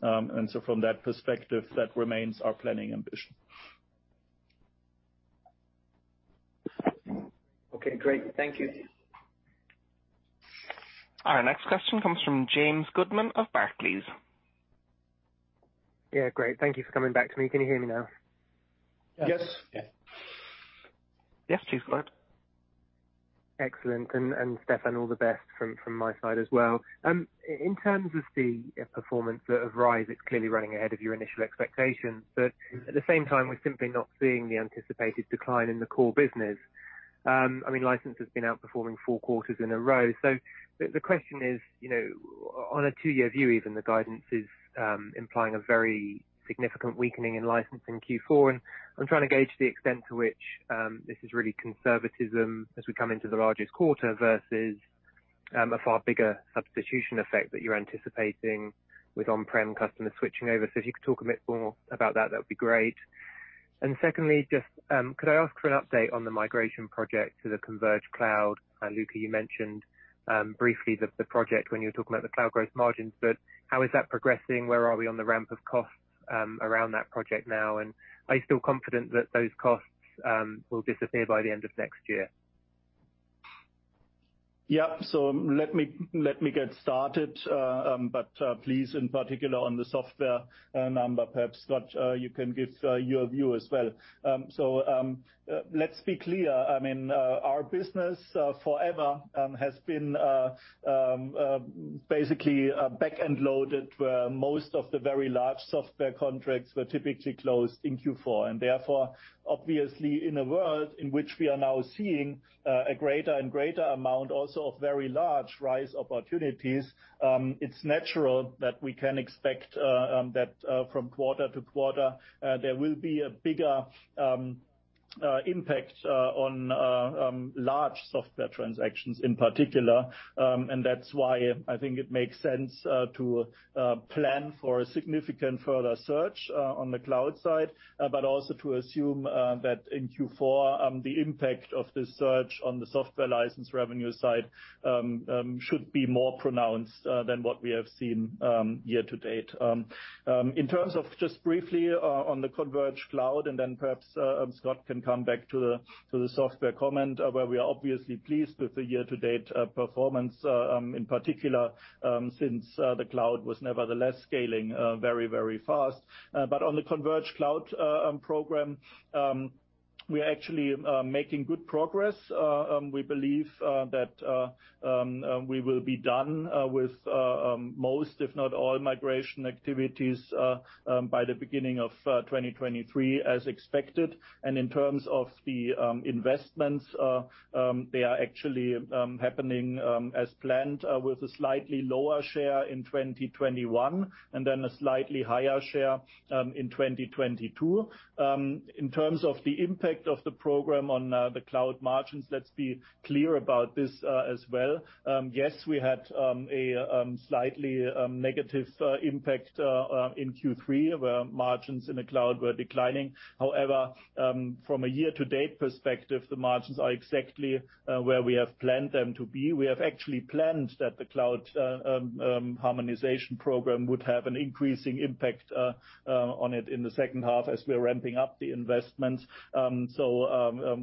From that perspective, that remains our planning ambition. Okay, great. Thank you. Our next question comes from James Goodman of Barclays. Yeah, great. Thank you for coming back to me. Can you hear me now? Yes. Yes, please go ahead. Excellent, Stefan, all the best from my side as well. In terms of the performance of RISE, it's clearly running ahead of your initial expectations. At the same time, we're simply not seeing the anticipated decline in the core business. I mean, license has been outperforming four quarters in a row. The question is, on a two-year view even, the guidance is implying a very significant weakening in licensing Q4, and I'm trying to gauge the extent to which this is really conservatism as we come into the largest quarter, versus a far bigger substitution effect that you're anticipating with on-prem customers switching over. If you could talk a bit more about that would be great. Secondly, just could I ask for an update on the migration project to the converged cloud? Luka, you mentioned briefly the project when you were talking about the cloud growth margins. How is that progressing? Where are we on the ramp of costs around that project now? Are you still confident that those costs will disappear by the end of next year? Yeah. Let me get started. Please, in particular on the software number, perhaps, Scott, you can give your view as well. Let's be clear. I mean, our business forever has been basically back-end loaded, where most of the very large software contracts were typically closed in Q4, and therefore obviously in a world in which we are now seeing a greater and greater amount also of very large RISE opportunities, it's natural that we can expect that from quarter to quarter, there will be a bigger impact on large software transactions in particular. That's why I think it makes sense to plan for a significant further search on the cloud side. Also to assume that in Q4, the impact of this search on the software license revenue side should be more pronounced than what we have seen year to date. In terms of just briefly on the Converged Cloud, and then perhaps Scott can come back to the software comment, where we are obviously pleased with the year-to-date performance, in particular since the cloud was nevertheless scaling very, very fast. On the Converged Cloud Program, we are actually making good progress. We believe that we will be done with most, if not all migration activities by the beginning of 2023 as expected. In terms of the investments, they are actually happening as planned with a slightly lower share in 2021, and then a slightly higher share in 2022. In terms of the impact of the program on the cloud margins, let's be clear about this as well. Yes, we had a slightly negative impact in Q3, where margins in the cloud were declining. From a year-to-date perspective, the margins are exactly where we have planned them to be. We have actually planned that the cloud harmonization program would have an increasing impact on it in the second half as we are ramping up the investments.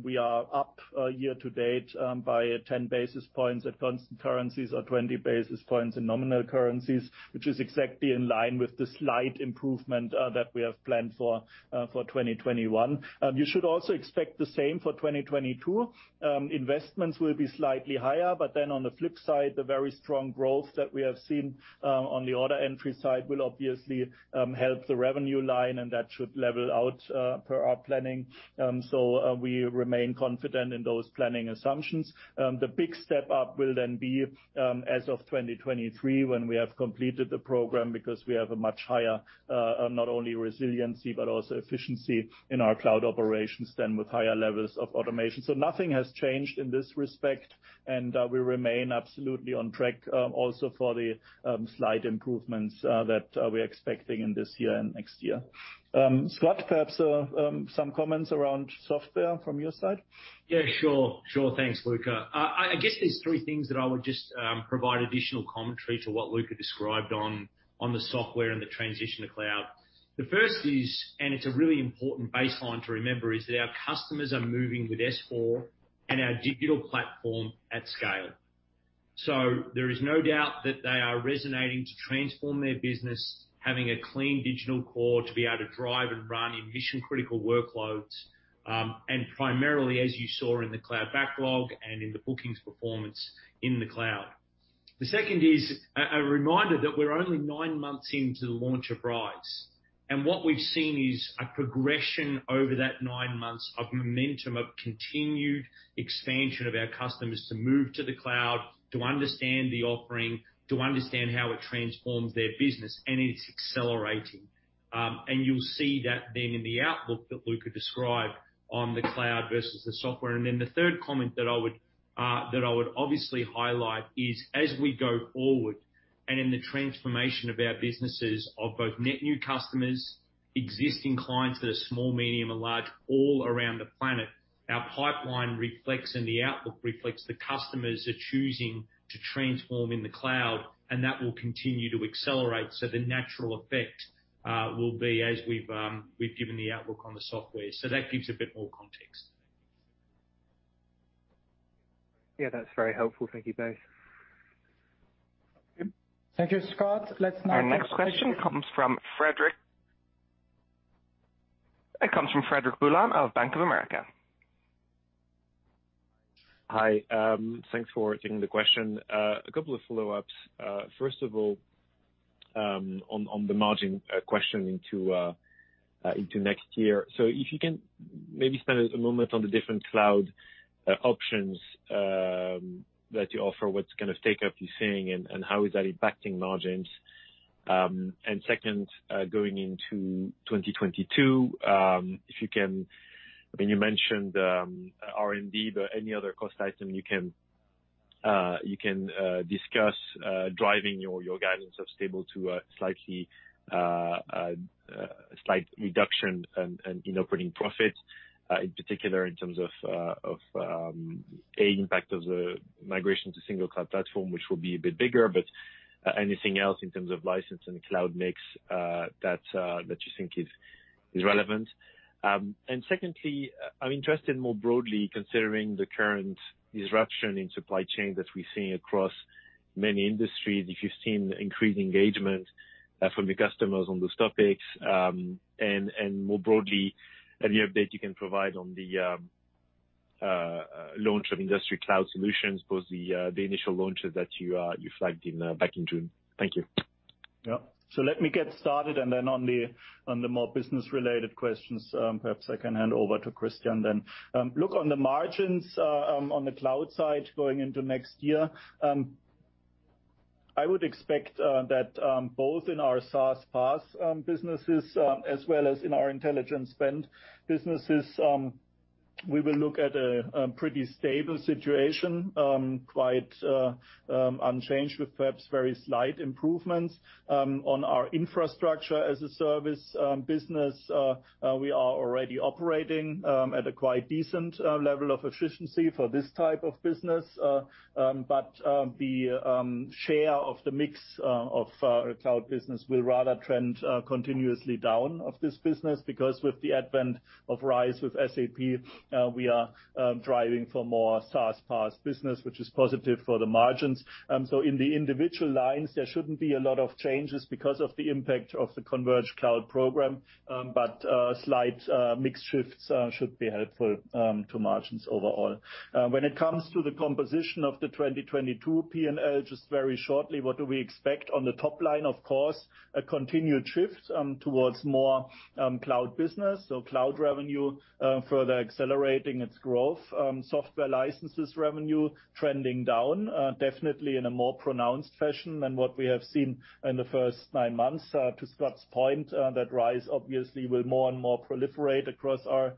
We are up year-to-date by 10 basis points at constant currencies or 20 basis points in nominal currencies, which is exactly in line with the slight improvement that we have planned for 2021. You should also expect the same for 2022. Investments will be slightly higher, on the flip side, the very strong growth that we have seen on the order entry side will obviously help the revenue line, and that should level out per our planning. We remain confident in those planning assumptions. The big step up will then be as of 2023, when we have completed the program, because we have a much higher not only resiliency, but also efficiency in our cloud operations than with higher levels of automation. Nothing has changed in this respect, and we remain absolutely on track also for the slight improvements that we are expecting in this year and next year. Scott, perhaps some comments around software from your side? Yeah, sure. Thanks, Luka. I guess there's three things that I would just provide additional commentary to what Luka described on the software and the transition to cloud. The first is, and it's a really important baseline to remember, is that our customers are moving with S4 and our digital platform at scale There is no doubt that they are resonating to transform their business, having a clean digital core to be able to drive and run in mission-critical workloads, and primarily, as you saw in the cloud backlog and in the bookings performance, in the cloud. The second is a reminder that we're only nine months into the launch of RISE. What we've seen is a progression over that nine months of momentum of continued expansion of our customers to move to the cloud, to understand the offering, to understand how it transforms their business. It's accelerating. You'll see that then in the outlook that Luka described on the cloud versus the software. The third comment that I would obviously highlight is as we go forward, and in the transformation of our businesses of both net new customers, existing clients that are small, medium, and large all around the planet, our pipeline reflects and the outlook reflects the customers are choosing to transform in the cloud, and that will continue to accelerate. The natural effect will be as we've given the outlook on the software. That gives a bit more context. Yeah, that's very helpful. Thank you both. Thank you. Thank you, Scott. Let's now- Our next question comes from Frederic. It comes from Frederic Boulan of Bank of America. Hi. Thanks for taking the question. A couple of follow-ups. First of all, on the margin question into next year. If you can maybe spend a moment on the different cloud options that you offer, what kind of take-up you're seeing, and how is that impacting margins? Second, going into 2022, I mean, you mentioned R&D, but any other cost item you can discuss driving your guidance of stable to a slight reduction in operating profit, in particular, in terms of, A, impact of the migration to single cloud platform, which will be a bit bigger, but anything else in terms of license and cloud mix that you think is relevant. Secondly, I'm interested more broadly considering the current disruption in supply chain that we're seeing across many industries. If you've seen increased engagement from the customers on those topics. More broadly, any update you can provide on the launch of Industry Cloud solutions, both the initial launches that you flagged back in June. Thank you. Let me get started, and then on the more business-related questions, perhaps I can hand over to Christian then. Look, on the margins on the cloud side going into next year, I would expect that both in our SaaS/PaaS businesses, as well as in our intelligent spend businesses, we will look at a pretty stable situation, quite unchanged with perhaps very slight improvements. On our Infrastructure as a Service business, we are already operating at a quite decent level of efficiency for this type of business. The share of the mix of our cloud business will rather trend continuously down of this business because with the advent of RISE with SAP, we are driving for more SaaS/PaaS business, which is positive for the margins. In the individual lines, there shouldn't be a lot of changes because of the impact of the converged cloud program, but slight mix shifts should be helpful to margins overall. When it comes to the composition of the 2022 P&L, just very shortly, what do we expect on the top line? Of course, a continued shift towards more cloud business. Cloud revenue further accelerating its growth. Software licenses revenue trending down definitely in a more pronounced fashion than what we have seen in the first nine months. To Scott's point, that RISE obviously will more and more proliferate across our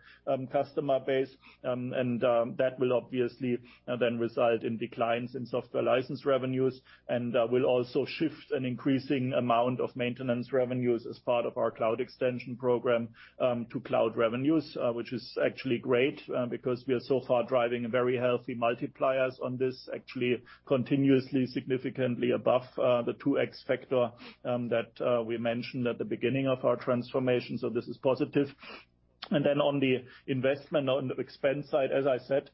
customer base, and that will obviously then result in declines in software license revenues and will also shift an increasing amount of maintenance revenues as part of our cloud extension program to cloud revenues. Which is actually great because we are so far driving very healthy multipliers on this, actually continuously significantly above the 2x factor that we mentioned at the beginning of our transformation. This is positive. On the investment, on the expense side, as I said,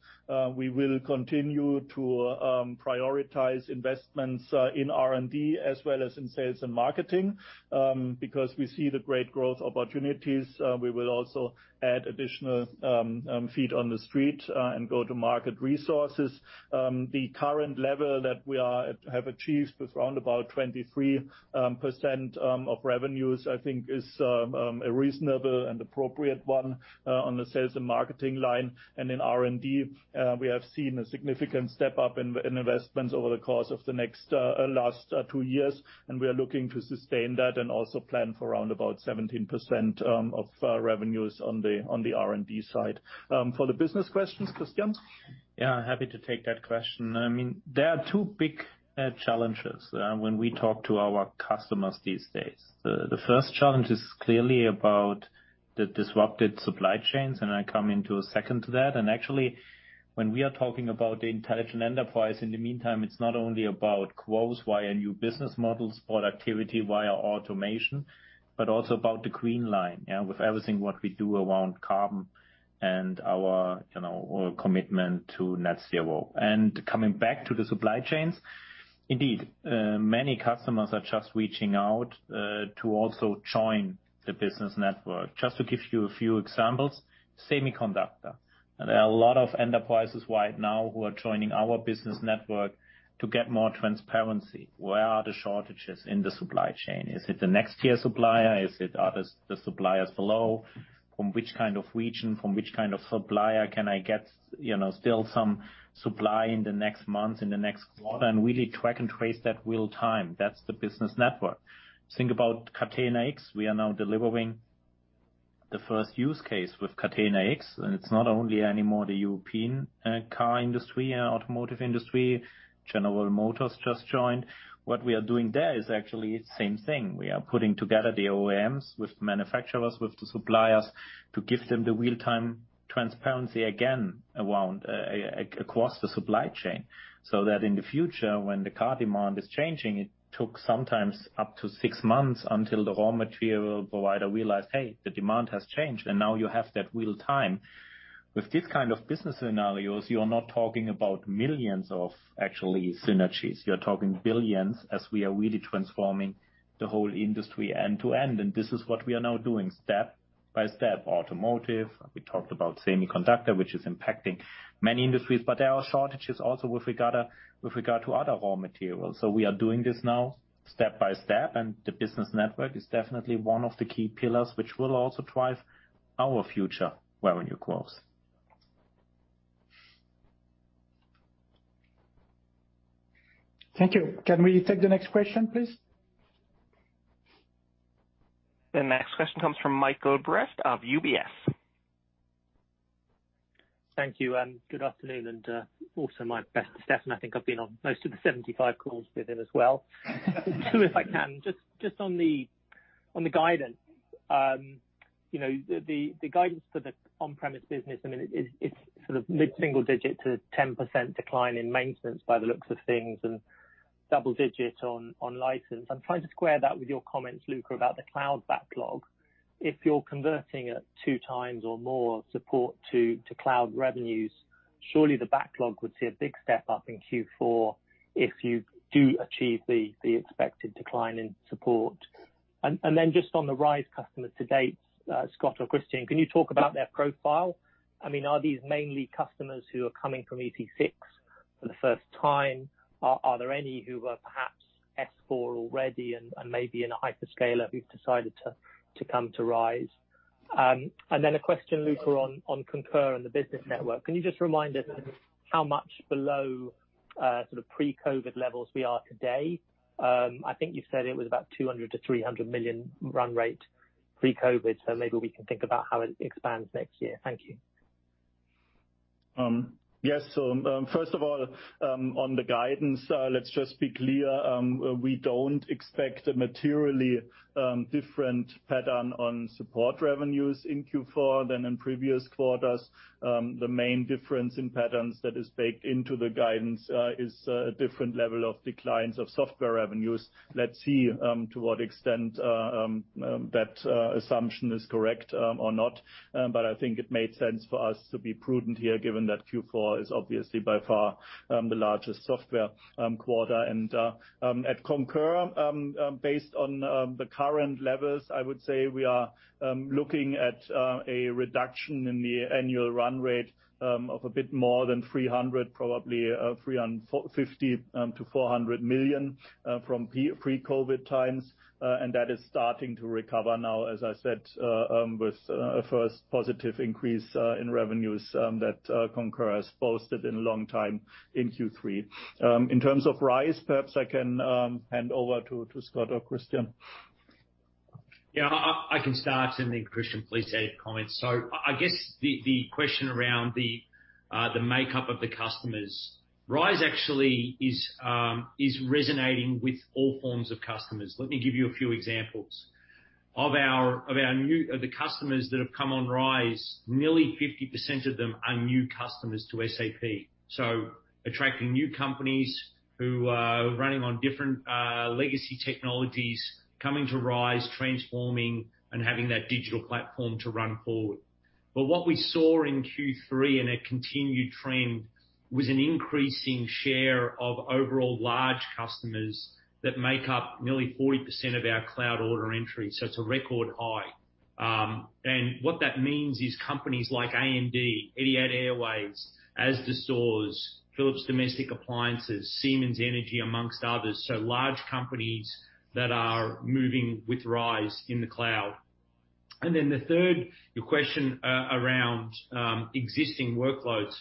we will continue to prioritize investments in R&D as well as in sales and marketing because we see the great growth opportunities. We will also add additional feet on the street and go-to-market resources. The current level that we have achieved with around about 23% of revenues, I think is a reasonable and appropriate one on the sales and marketing line. In R&D, we have seen a significant step up in investments over the course of the last two years, and we are looking to sustain that and also plan for around about 17% of revenues on the R&D side. For the business questions, Christian? Yeah, happy to take that question. There are two big challenges when we talk to our customers these days. The first challenge is clearly about the disrupted supply chains. I come into a second to that. Actually, when we are talking about the Intelligent Enterprise, in the meantime, it's not only about growth via new business models, productivity via automation, but also about the green line. With everything what we do around carbon and our commitment to net zero. Coming back to the supply chains, indeed, many customers are just reaching out to also join. The business network. To give you a few examples, semiconductor. There are a lot of enterprises right now who are joining our business network to get more transparency. Where are the shortages in the supply chain? Is it the next tier supplier? Is it the suppliers below? From which kind of region, from which kind of supplier can I get still some supply in the next month, in the next quarter? Really track and trace that real time. That's the business network. Think about Catena-X. We are now delivering the first use case with Catena-X. It's not only anymore the European car industry and automotive industry. General Motors just joined. What we are doing there is actually the same thing. We are putting together the OEMs with manufacturers, with the suppliers, to give them the real-time transparency again across the supply chain. That in the future, when the car demand is changing, it took sometimes up to six months until the raw material provider realized, hey, the demand has changed. Now you have that real time. With this kind of business scenarios, you are not talking about millions of actually synergies. You're talking billions as we are really transforming the whole industry end to end. This is what we are now doing step by step. Automotive, we talked about semiconductor, which is impacting many industries. There are shortages also with regard to other raw materials. We are doing this now step by step, and the business network is definitely one of the key pillars, which will also drive our future revenue growth. Thank you. Can we take the next question, please? The next question comes from Michael Briest of UBS. Thank you. Good afternoon, and also my best to Stefan. I think I've been on most of the 75 calls with him as well. If I can, just on the guidance. The guidance for the on-premise business, it's sort of mid-single digit to 10% decline in maintenance by the looks of things and double digit on license. I'm trying to square that with your comments, Luka, about the cloud backlog. If you're converting at 2x or more support to cloud revenues, surely the backlog would see a big step-up in Q4 if you do achieve the expected decline in support. Just on the RISE customer to date, Scott or Christian, can you talk about their profile? Are these mainly customers who are coming from ECC for the first time? Are there any who are perhaps S/4HANA already and maybe in a hyperscaler who've decided to come to RISE with SAP? A question, Luka, on Concur and the business network. Can you just remind us how much below sort of pre-COVID levels we are today? I think you said it was about 200 million-300 million run rate pre-COVID, maybe we can think about how it expands next year. Thank you. Yes. First of all, on the guidance, let's just be clear. We don't expect a materially different pattern on support revenues in Q4 than in previous quarters. The main difference in patterns that is baked into the guidance is a different level of declines of software revenues. Let's see to what extent that assumption is correct or not. I think it made sense for us to be prudent here, given that Q4 is obviously by far the largest software quarter. At Concur, based on the current levels, I would say we are looking at a reduction in the annual run rate of a bit more than 300, probably 350 million-400 million from pre-COVID times. That is starting to recover now, as I said, with a first positive increase in revenues that Concur has posted in a long time in Q3. In terms of RISE, perhaps I can hand over to Scott or Christian. Yeah, I can start and then Christian, please add comments. I guess the question around the makeup of the customers. RISE actually is resonating with all forms of customers. Let me give you a few examples. Of the customers that have come on RISE, nearly 50% of them are new customers to SAP. Attracting new companies who are running on different legacy technologies, coming to RISE, transforming, and having that digital platform to run forward. What we saw in Q3 and a continued trend was an increasing share of overall large customers that make up nearly 40% of our cloud order entry. It's a record high. What that means is companies like AMD, Etihad Airways, Asda Stores, Philips Domestic Appliances, Siemens Energy, amongst others. Large companies that are moving with RISE in the cloud. The third, your question around existing workloads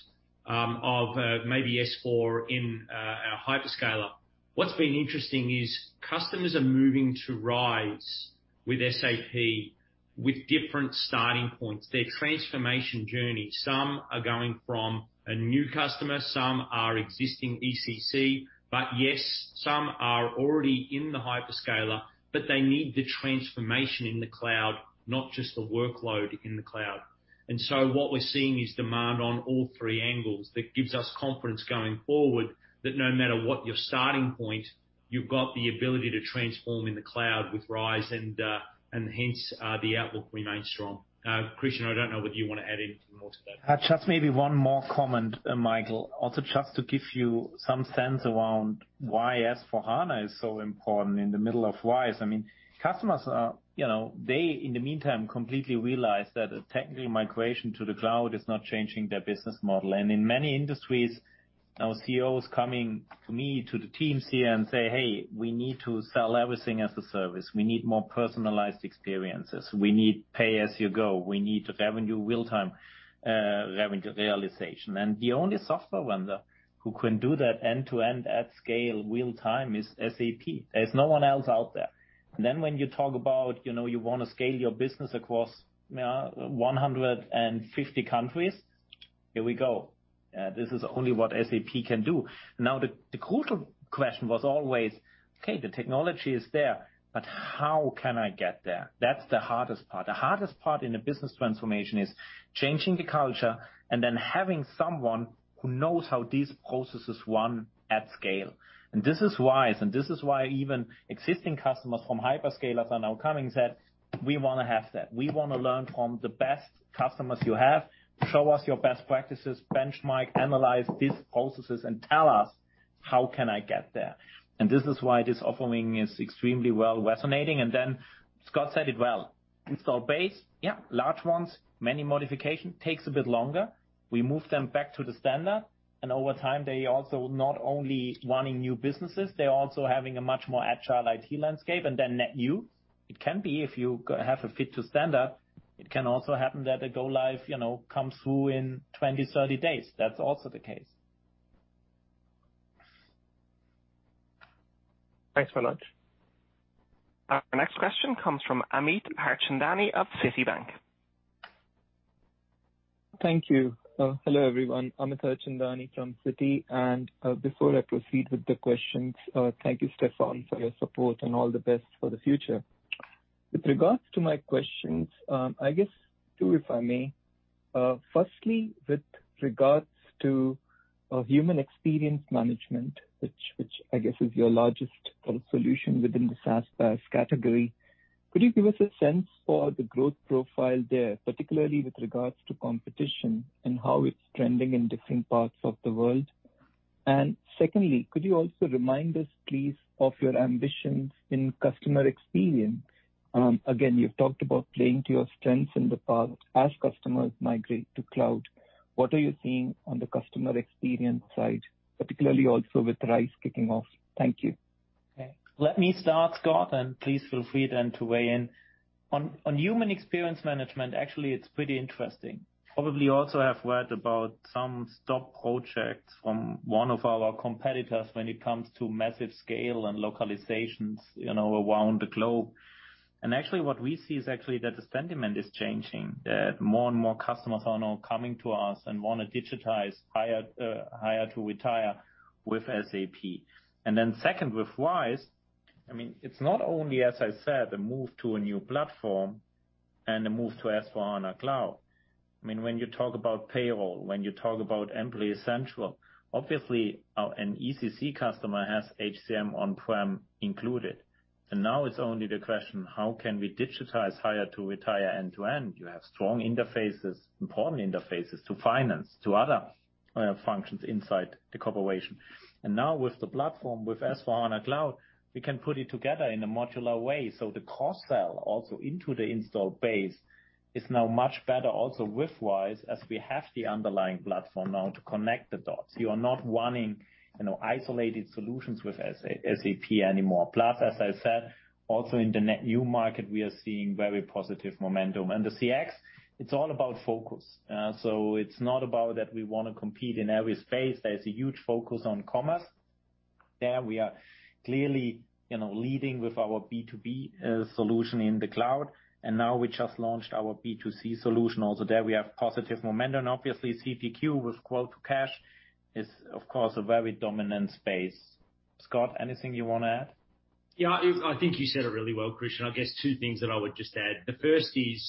of maybe S/4 in our hyperscaler. What's been interesting is customers are moving to RISE with SAP with different starting points. Their transformation journey. Some are going from a new customer, some are existing ECC. Yes, some are already in the hyperscaler, but they need the transformation in the cloud, not just the workload in the cloud. What we're seeing is demand on all three angles. That gives us confidence going forward that no matter what your starting point, you've got the ability to transform in the cloud with RISE and hence the outlook remains strong. Christian, I don't know whether you want to add anything more to that. Just maybe one more comment, Michael. Just to give you some sense around why S/4HANA is so important in the middle of Rise. Customers, they, in the meantime, completely realize that a technical migration to the cloud is not changing their business model. In many industries, our CEOs coming to me, to the teams here and say, "Hey, we need to sell everything as a service. We need more personalized experiences. We need pay-as-you-go. We need real-time revenue realization." The only software vendor who can do that end-to-end at scale, real time, is SAP. There's no one else out there. When you talk about, you want to scale your business across 150 countries, here we go. This is only what SAP can do. The crucial question was always, okay, the technology is there, but how can I get there? That's the hardest part. The hardest part in a business transformation is changing the culture and then having someone who knows how these processes run at scale. This is why even existing customers from hyperscalers are now coming, said, "We want to have that. We want to learn from the best customers you have. Show us your best practices, benchmark, analyze these processes, and tell us how can I get there." This is why this offering is extremely well resonating. Scott said it well. Install base, yeah, large ones, many modifications, takes a bit longer. We move them back to the standard, and over time they also not only wanting new businesses, they're also having a much more agile IT landscape. Net new, it can be, if you have a fit to standard, it can also happen that a go live comes through in 20, 30 days. That's also the case. Thanks for that. Our next question comes from Amit Harchandani of Citibank. Thank you. Hello, everyone. Amit Harchandani from Citi. Before I proceed with the questions, thank you, Stefan, for your support and all the best for the future. With regards to my questions, I guess two, if I may. Firstly, with regards to Human Experience Management, which I guess is your largest solution within the SaaS PaaS category, could you give us a sense for the growth profile there, particularly with regards to competition and how it's trending in different parts of the world? Secondly, could you also remind us, please, of your ambitions in customer experience? Again, you've talked about playing to your strengths in the past as customers migrate to cloud. What are you seeing on the customer experience side, particularly also with RISE kicking off? Thank you. Okay. Let me start, Scott, and please feel free to weigh in. On Human Experience Management, actually, it's pretty interesting. Probably also have read about some stopped projects from one of our competitors when it comes to massive scale and localizations around the globe. Actually, what we see is actually that the sentiment is changing, that more and more customers are now coming to us and want to digitize hire to retire with SAP. Second, with RISE, it's not only, as I said, a move to a new platform and a move to S/4HANA Cloud. When you talk about payroll, when you talk about Employee Central, obviously an ECC customer has HCM on-prem included. Now it's only the question, how can we digitize hire to retire end-to-end? You have strong interfaces, important interfaces to finance, to other functions inside the corporation. Now with the platform, with S/4HANA Cloud, we can put it together in a modular way. The cross-sell also into the install base is now much better also with RISE, as we have the underlying platform now to connect the dots. You are not wanting isolated solutions with SAP anymore. Plus, as I said, also in the net new market, we are seeing very positive momentum. The CX, it's all about focus. It's not about that we want to compete in every space. There's a huge focus on commerce. There we are clearly leading with our B2B solution in the cloud, and now we just launched our B2C solution also. There we have positive momentum. Obviously, CPQ with quote to cash is, of course, a very dominant space. Scott, anything you want to add? I think you said it really well, Christian. I guess two things that I would just add. The first is,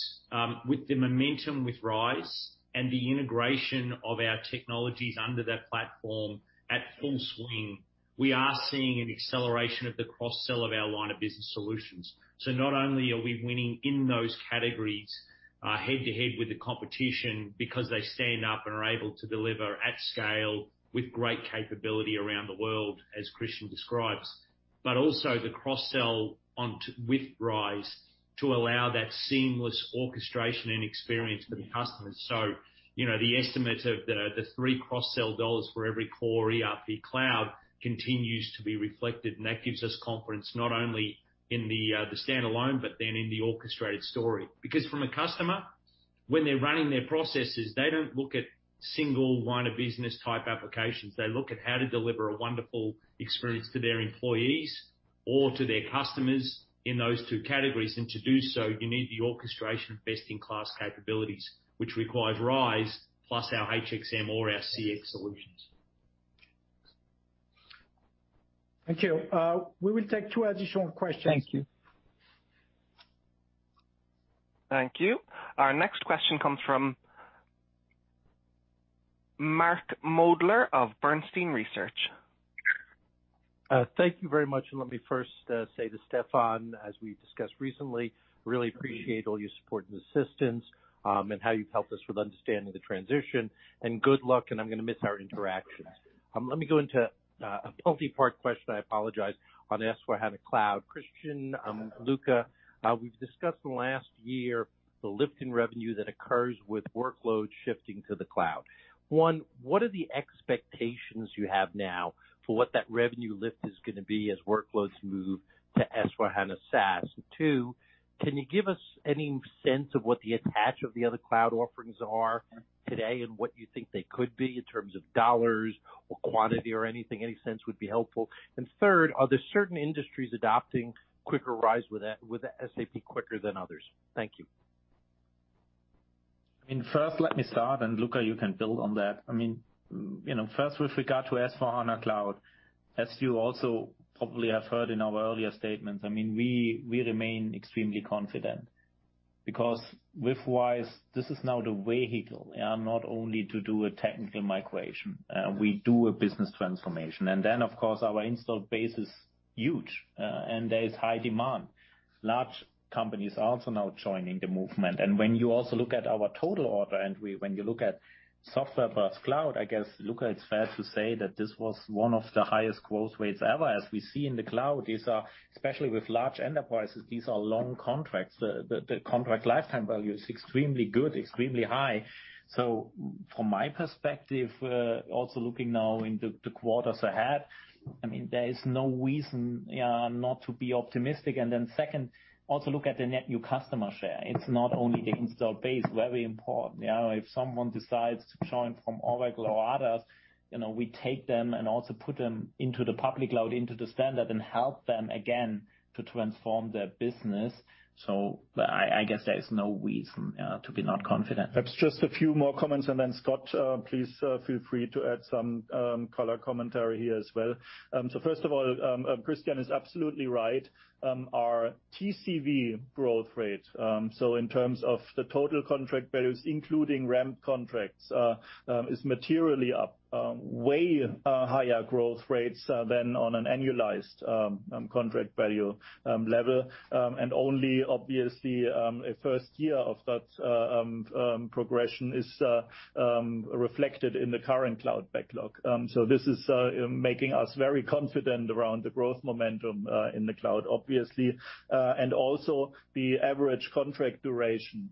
with the momentum with RISE with SAP and the integration of our technologies under that platform at full swing, we are seeing an acceleration of the cross-sell of our line of business solutions. Not only are we winning in those categories head-to-head with the competition because they stand up and are able to deliver at scale with great capability around the world as Christian describes, but also the cross-sell with RISE with SAP to allow that seamless orchestration and experience for the customers. The estimate of the three cross-sell for every core ERP cloud continues to be reflected, and that gives us confidence not only in the standalone, but then in the orchestrated story. Because from a customer, when they're running their processes, they don't look at single line of business type applications. They look at how to deliver a wonderful experience to their employees or to their customers in those two categories. To do so, you need the orchestration of best-in-class capabilities, which requires RISE plus our HXM or our CX solutions. Thank you. We will take two additional questions. Thank you. Thank you. Our next question comes from Mark Moerdler of Bernstein Research. Thank you very much. Let me first say to Stefan, as we discussed recently, really appreciate all your support and assistance. How you've helped us with understanding the transition. Good luck. I'm going to miss our interactions. Let me go into a multi-part question, I apologize, on S/4HANA Cloud. Christian, Luka, we've discussed in the last year the lift in revenue that occurs with workloads shifting to the cloud. One, what are the expectations you have now for what that revenue lift is going to be as workloads move to S/4HANA SaaS? Two, can you give us any sense of what the attach of the other cloud offerings are today and what you think they could be in terms of EUR or quantity or anything, any sense would be helpful. Third, are there certain industries adopting quicker RISE with SAP quicker than others? Thank you. First, let me start. Luka, you can build on that. First, with regard to S/4HANA Cloud, as you also probably have heard in our earlier statements, we remain extremely confident because with RISE, this is now the vehicle, not only to do a technical migration. We do a business transformation. Then, of course, our installed base is huge, and there is high demand. Large companies are also now joining the movement. When you also look at our total order entry, when you look at software plus cloud, I guess, Luka, it's fair to say that this was one of the highest growth rates ever. As we see in the cloud, especially with large enterprises, these are long contracts. The contract lifetime value is extremely good, extremely high. From my perspective, also looking now into the quarters ahead, there is no reason not to be optimistic. Second, also look at the net new customer share. It's not only the installed base. Very important. If someone decides to join from Oracle or others, we take them and also put them into the public cloud, into the standard, and help them again to transform their business. I guess there is no reason to be not confident. Perhaps just a few more comments, Scott, please feel free to add some color commentary here as well. First of all, Christian is absolutely right. Our TCV growth rate, so in terms of the total contract values, including ramp contracts, is materially up, way higher growth rates than on an annualized contract value level. Only, obviously, a first year of that progression is reflected in the current cloud backlog. This is making us very confident around the growth momentum in the cloud, obviously. The average contract duration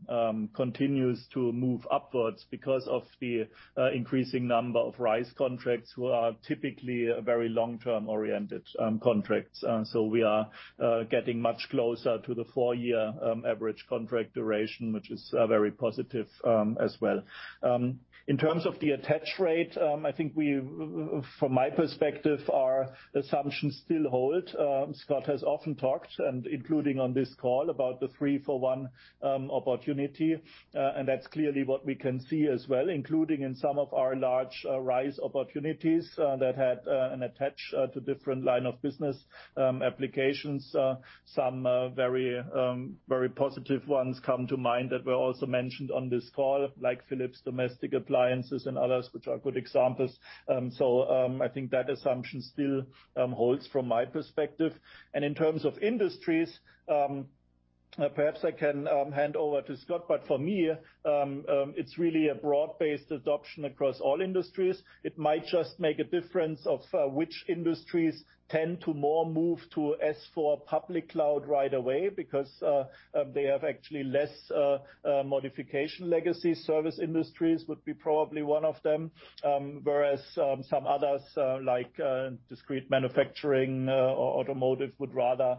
continues to move upwards because of the increasing number of RISE contracts, who are typically very long-term oriented contracts. We are getting much closer to the four-year average contract duration, which is very positive as well. In terms of the attach rate, I think from my perspective, our assumptions still hold. Scott has often talked, and including on this call, about the three for one opportunity, and that's clearly what we can see as well, including in some of our large RISE opportunities that had an attach to different line of business applications. Some very positive ones come to mind that were also mentioned on this call, like Philips Domestic Appliances and others, which are good examples. I think that assumption still holds from my perspective. In terms of industries, perhaps I can hand over to Scott, but for me, it's really a broad-based adoption across all industries. It might just make a difference of which industries tend to more move to S/4 public cloud right away because they have actually less modification legacy. Service industries would be probably one of them. Some others, like discrete manufacturing or automotive, would rather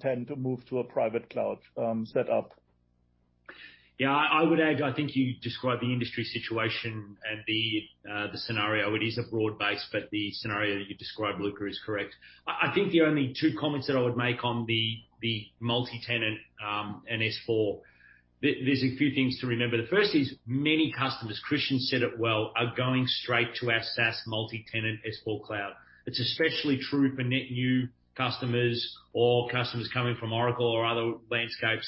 tend to move to a private cloud set up. Yeah, I would add, I think you described the industry situation and the scenario. The scenario that you described, Luka, is correct. I think the only two comments that I would make on the multi-tenant and S/4, there's a few things to remember. The first is many customers, Christian said it well, are going straight to our SaaS multi-tenant S/4 cloud. It's especially true for net new customers or customers coming from Oracle or other landscapes,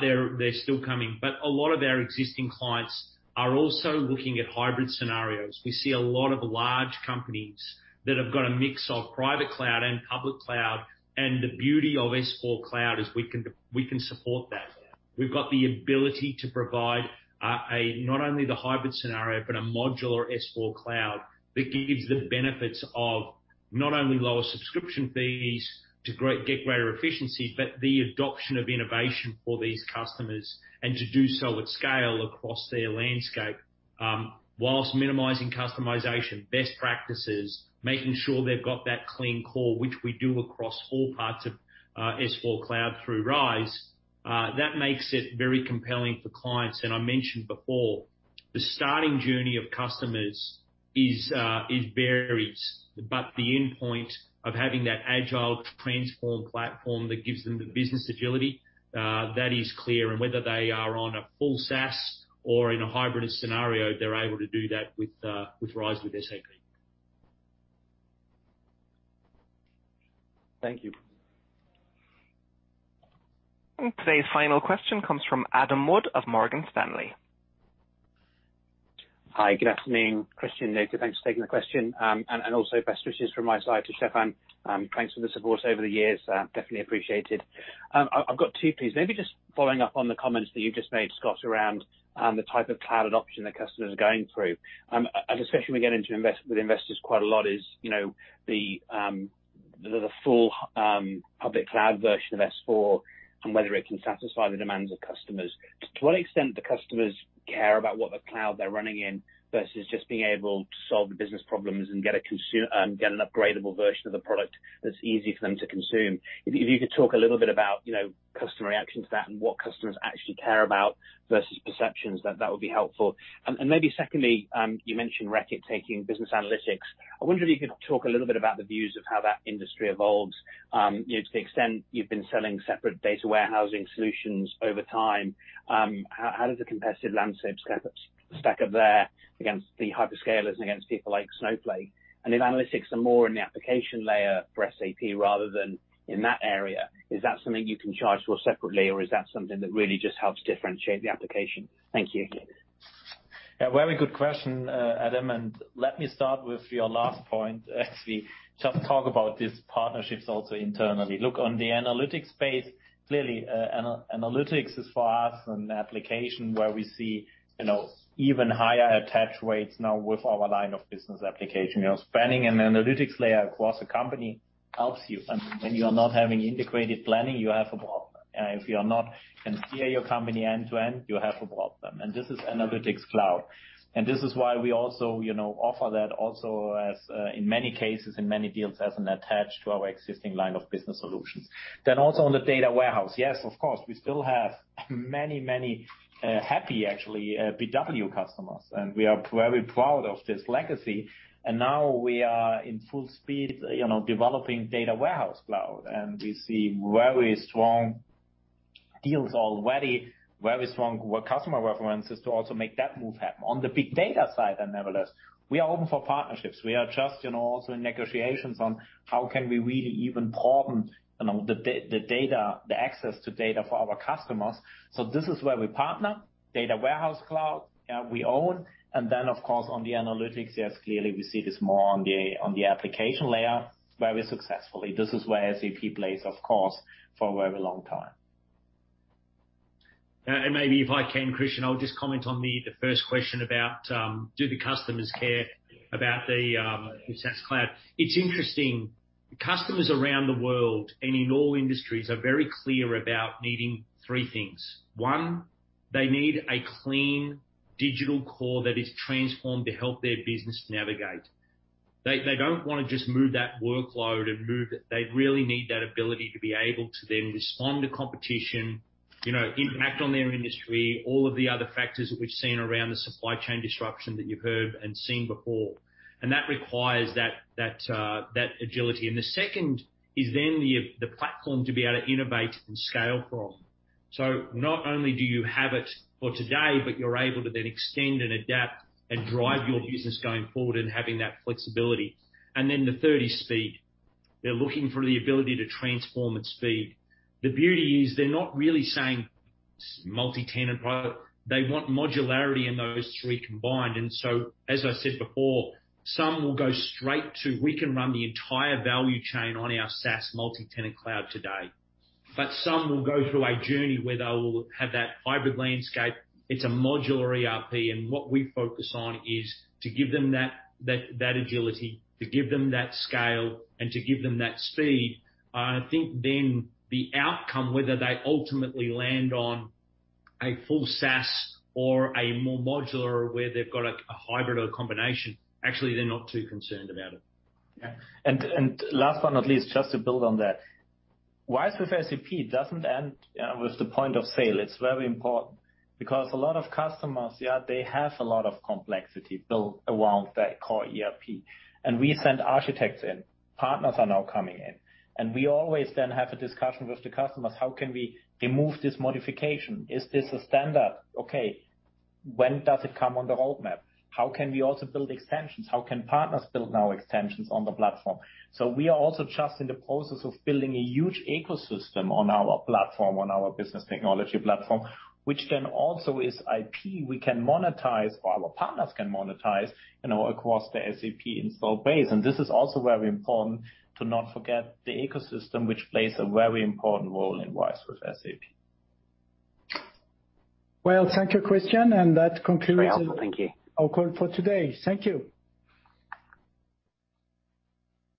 they're still coming. A lot of our existing clients are also looking at hybrid scenarios. We see a lot of large companies that have got a mix of private cloud and public cloud, the beauty of S/4 cloud is we can support that. We've got the ability to provide not only the hybrid scenario, but a modular S/4 Cloud that gives the benefits of not only lower subscription fees to get greater efficiencies, but the adoption of innovation for these customers, and to do so at scale across their landscape while minimizing customization, best practices, making sure they've got that clean core, which we do across all parts of S/4 Cloud through RISE. That makes it very compelling for clients. I mentioned before, the starting journey of customers varies, but the endpoint of having that agile transformed platform that gives them the business agility, that is clear. Whether they are on a full SaaS or in a hybrid scenario, they're able to do that with RISE with SAP. Thank you. Today's final question comes from Adam Wood of Morgan Stanley. Hi. Good afternoon, Christian, Luka. Thanks for taking the question. Also best wishes from my side to Stefan. Thanks for the support over the years. Definitely appreciated. I've got two, please. Maybe just following up on the comments that you just made, Scott, around the type of cloud adoption that customers are going through. Especially when we get into with investors quite a lot is the full public cloud version of S/4HANA and whether it can satisfy the demands of customers. To what extent do customers care about what cloud they're running in versus just being able to solve the business problems and get an upgradable version of the product that's easy for them to consume? If you could talk a little bit about customer reaction to that and what customers actually care about versus perceptions, that would be helpful. Maybe secondly, you mentioned Roche taking business analytics. I wonder if you could talk a little bit about the views of how that industry evolves. To the extent you've been selling separate data warehousing solutions over time, how does the competitive landscape stack up there against the hyperscalers and against people like Snowflake? If analytics are more in the application layer for SAP rather than in that area, is that something you can charge for separately, or is that something that really just helps differentiate the application? Thank you. Yeah. Very good question, Adam. Let me start with your last point. Actually, just talk about these partnerships also internally. Look, on the analytics space, clearly analytics is for us an application where we see even higher attach rates now with our line of business application. Planning and analytics layer across a company helps you. When you are not having integrated planning, you have a problem. If you are not, can clear your company end to end, you have a problem. This is Analytics Cloud. This is why we also offer that also as in many cases, in many deals, as an attach to our existing line of business solutions. Also on the data warehouse, yes, of course, we still have many happy, actually, BW customers, and we are very proud of this legacy. Now we are in full speed, developing Data Warehouse Cloud, we see very strong deals already, very strong customer references to also make that move happen. On the big data side, nevertheless, we are open for partnerships. We are just also in negotiations on how can we really even port the data, the access to data for our customers. This is where we partner. Data Warehouse Cloud, we own. Of course, on the analytics, yes, clearly we see this more on the application layer very successfully. This is where SAP plays, of course, for a very long time. Maybe if I can, Christian, I'll just comment on the first question about do the customers care about the SaaS cloud. It's interesting. Customers around the world and in all industries are very clear about needing three things. One, they need a clean digital core that is transformed to help their business navigate. They don't want to just move that workload and move it. They really need that ability to be able to then respond to competition, impact on their industry, all of the other factors that we've seen around the supply chain disruption that you've heard and seen before. That requires that agility. The second is then the platform to be able to innovate and scale from. Not only do you have it for today, but you're able to then extend and adapt and drive your business going forward and having that flexibility. The third is speed. They're looking for the ability to transform at speed. The beauty is they're not really saying multi-tenant, they want modularity in those three combined. As I said before, some will go straight to, we can run the entire value chain on our SaaS multi-tenant cloud today. Some will go through a journey where they will have that hybrid landscape. It's a modular ERP. What we focus on is to give them that agility, to give them that scale, and to give them that speed. I think the outcome, whether they ultimately land on a full SaaS or a more modular where they've got a hybrid or a combination, actually, they're not too concerned about it. Yeah. Last but not least, just to build on that. RISE with SAP doesn't end with the point of sale. It's very important because a lot of customers, yeah, they have a lot of complexity built around that core ERP. We send architects in. Partners are now coming in. We always then have a discussion with the customers, how can we remove this modification? Is this a standard? Okay, when does it come on the roadmap? How can we also build extensions? How can partners build now extensions on the platform? We are also just in the process of building a huge ecosystem on our platform, on our Business Technology Platform, which then also is IP we can monetize or our partners can monetize across the SAP installed base. This is also very important to not forget the ecosystem, which plays a very important role in RISE with SAP. Well, thank you, Christian. That concludes. Very helpful. Thank you. our call for today. Thank you.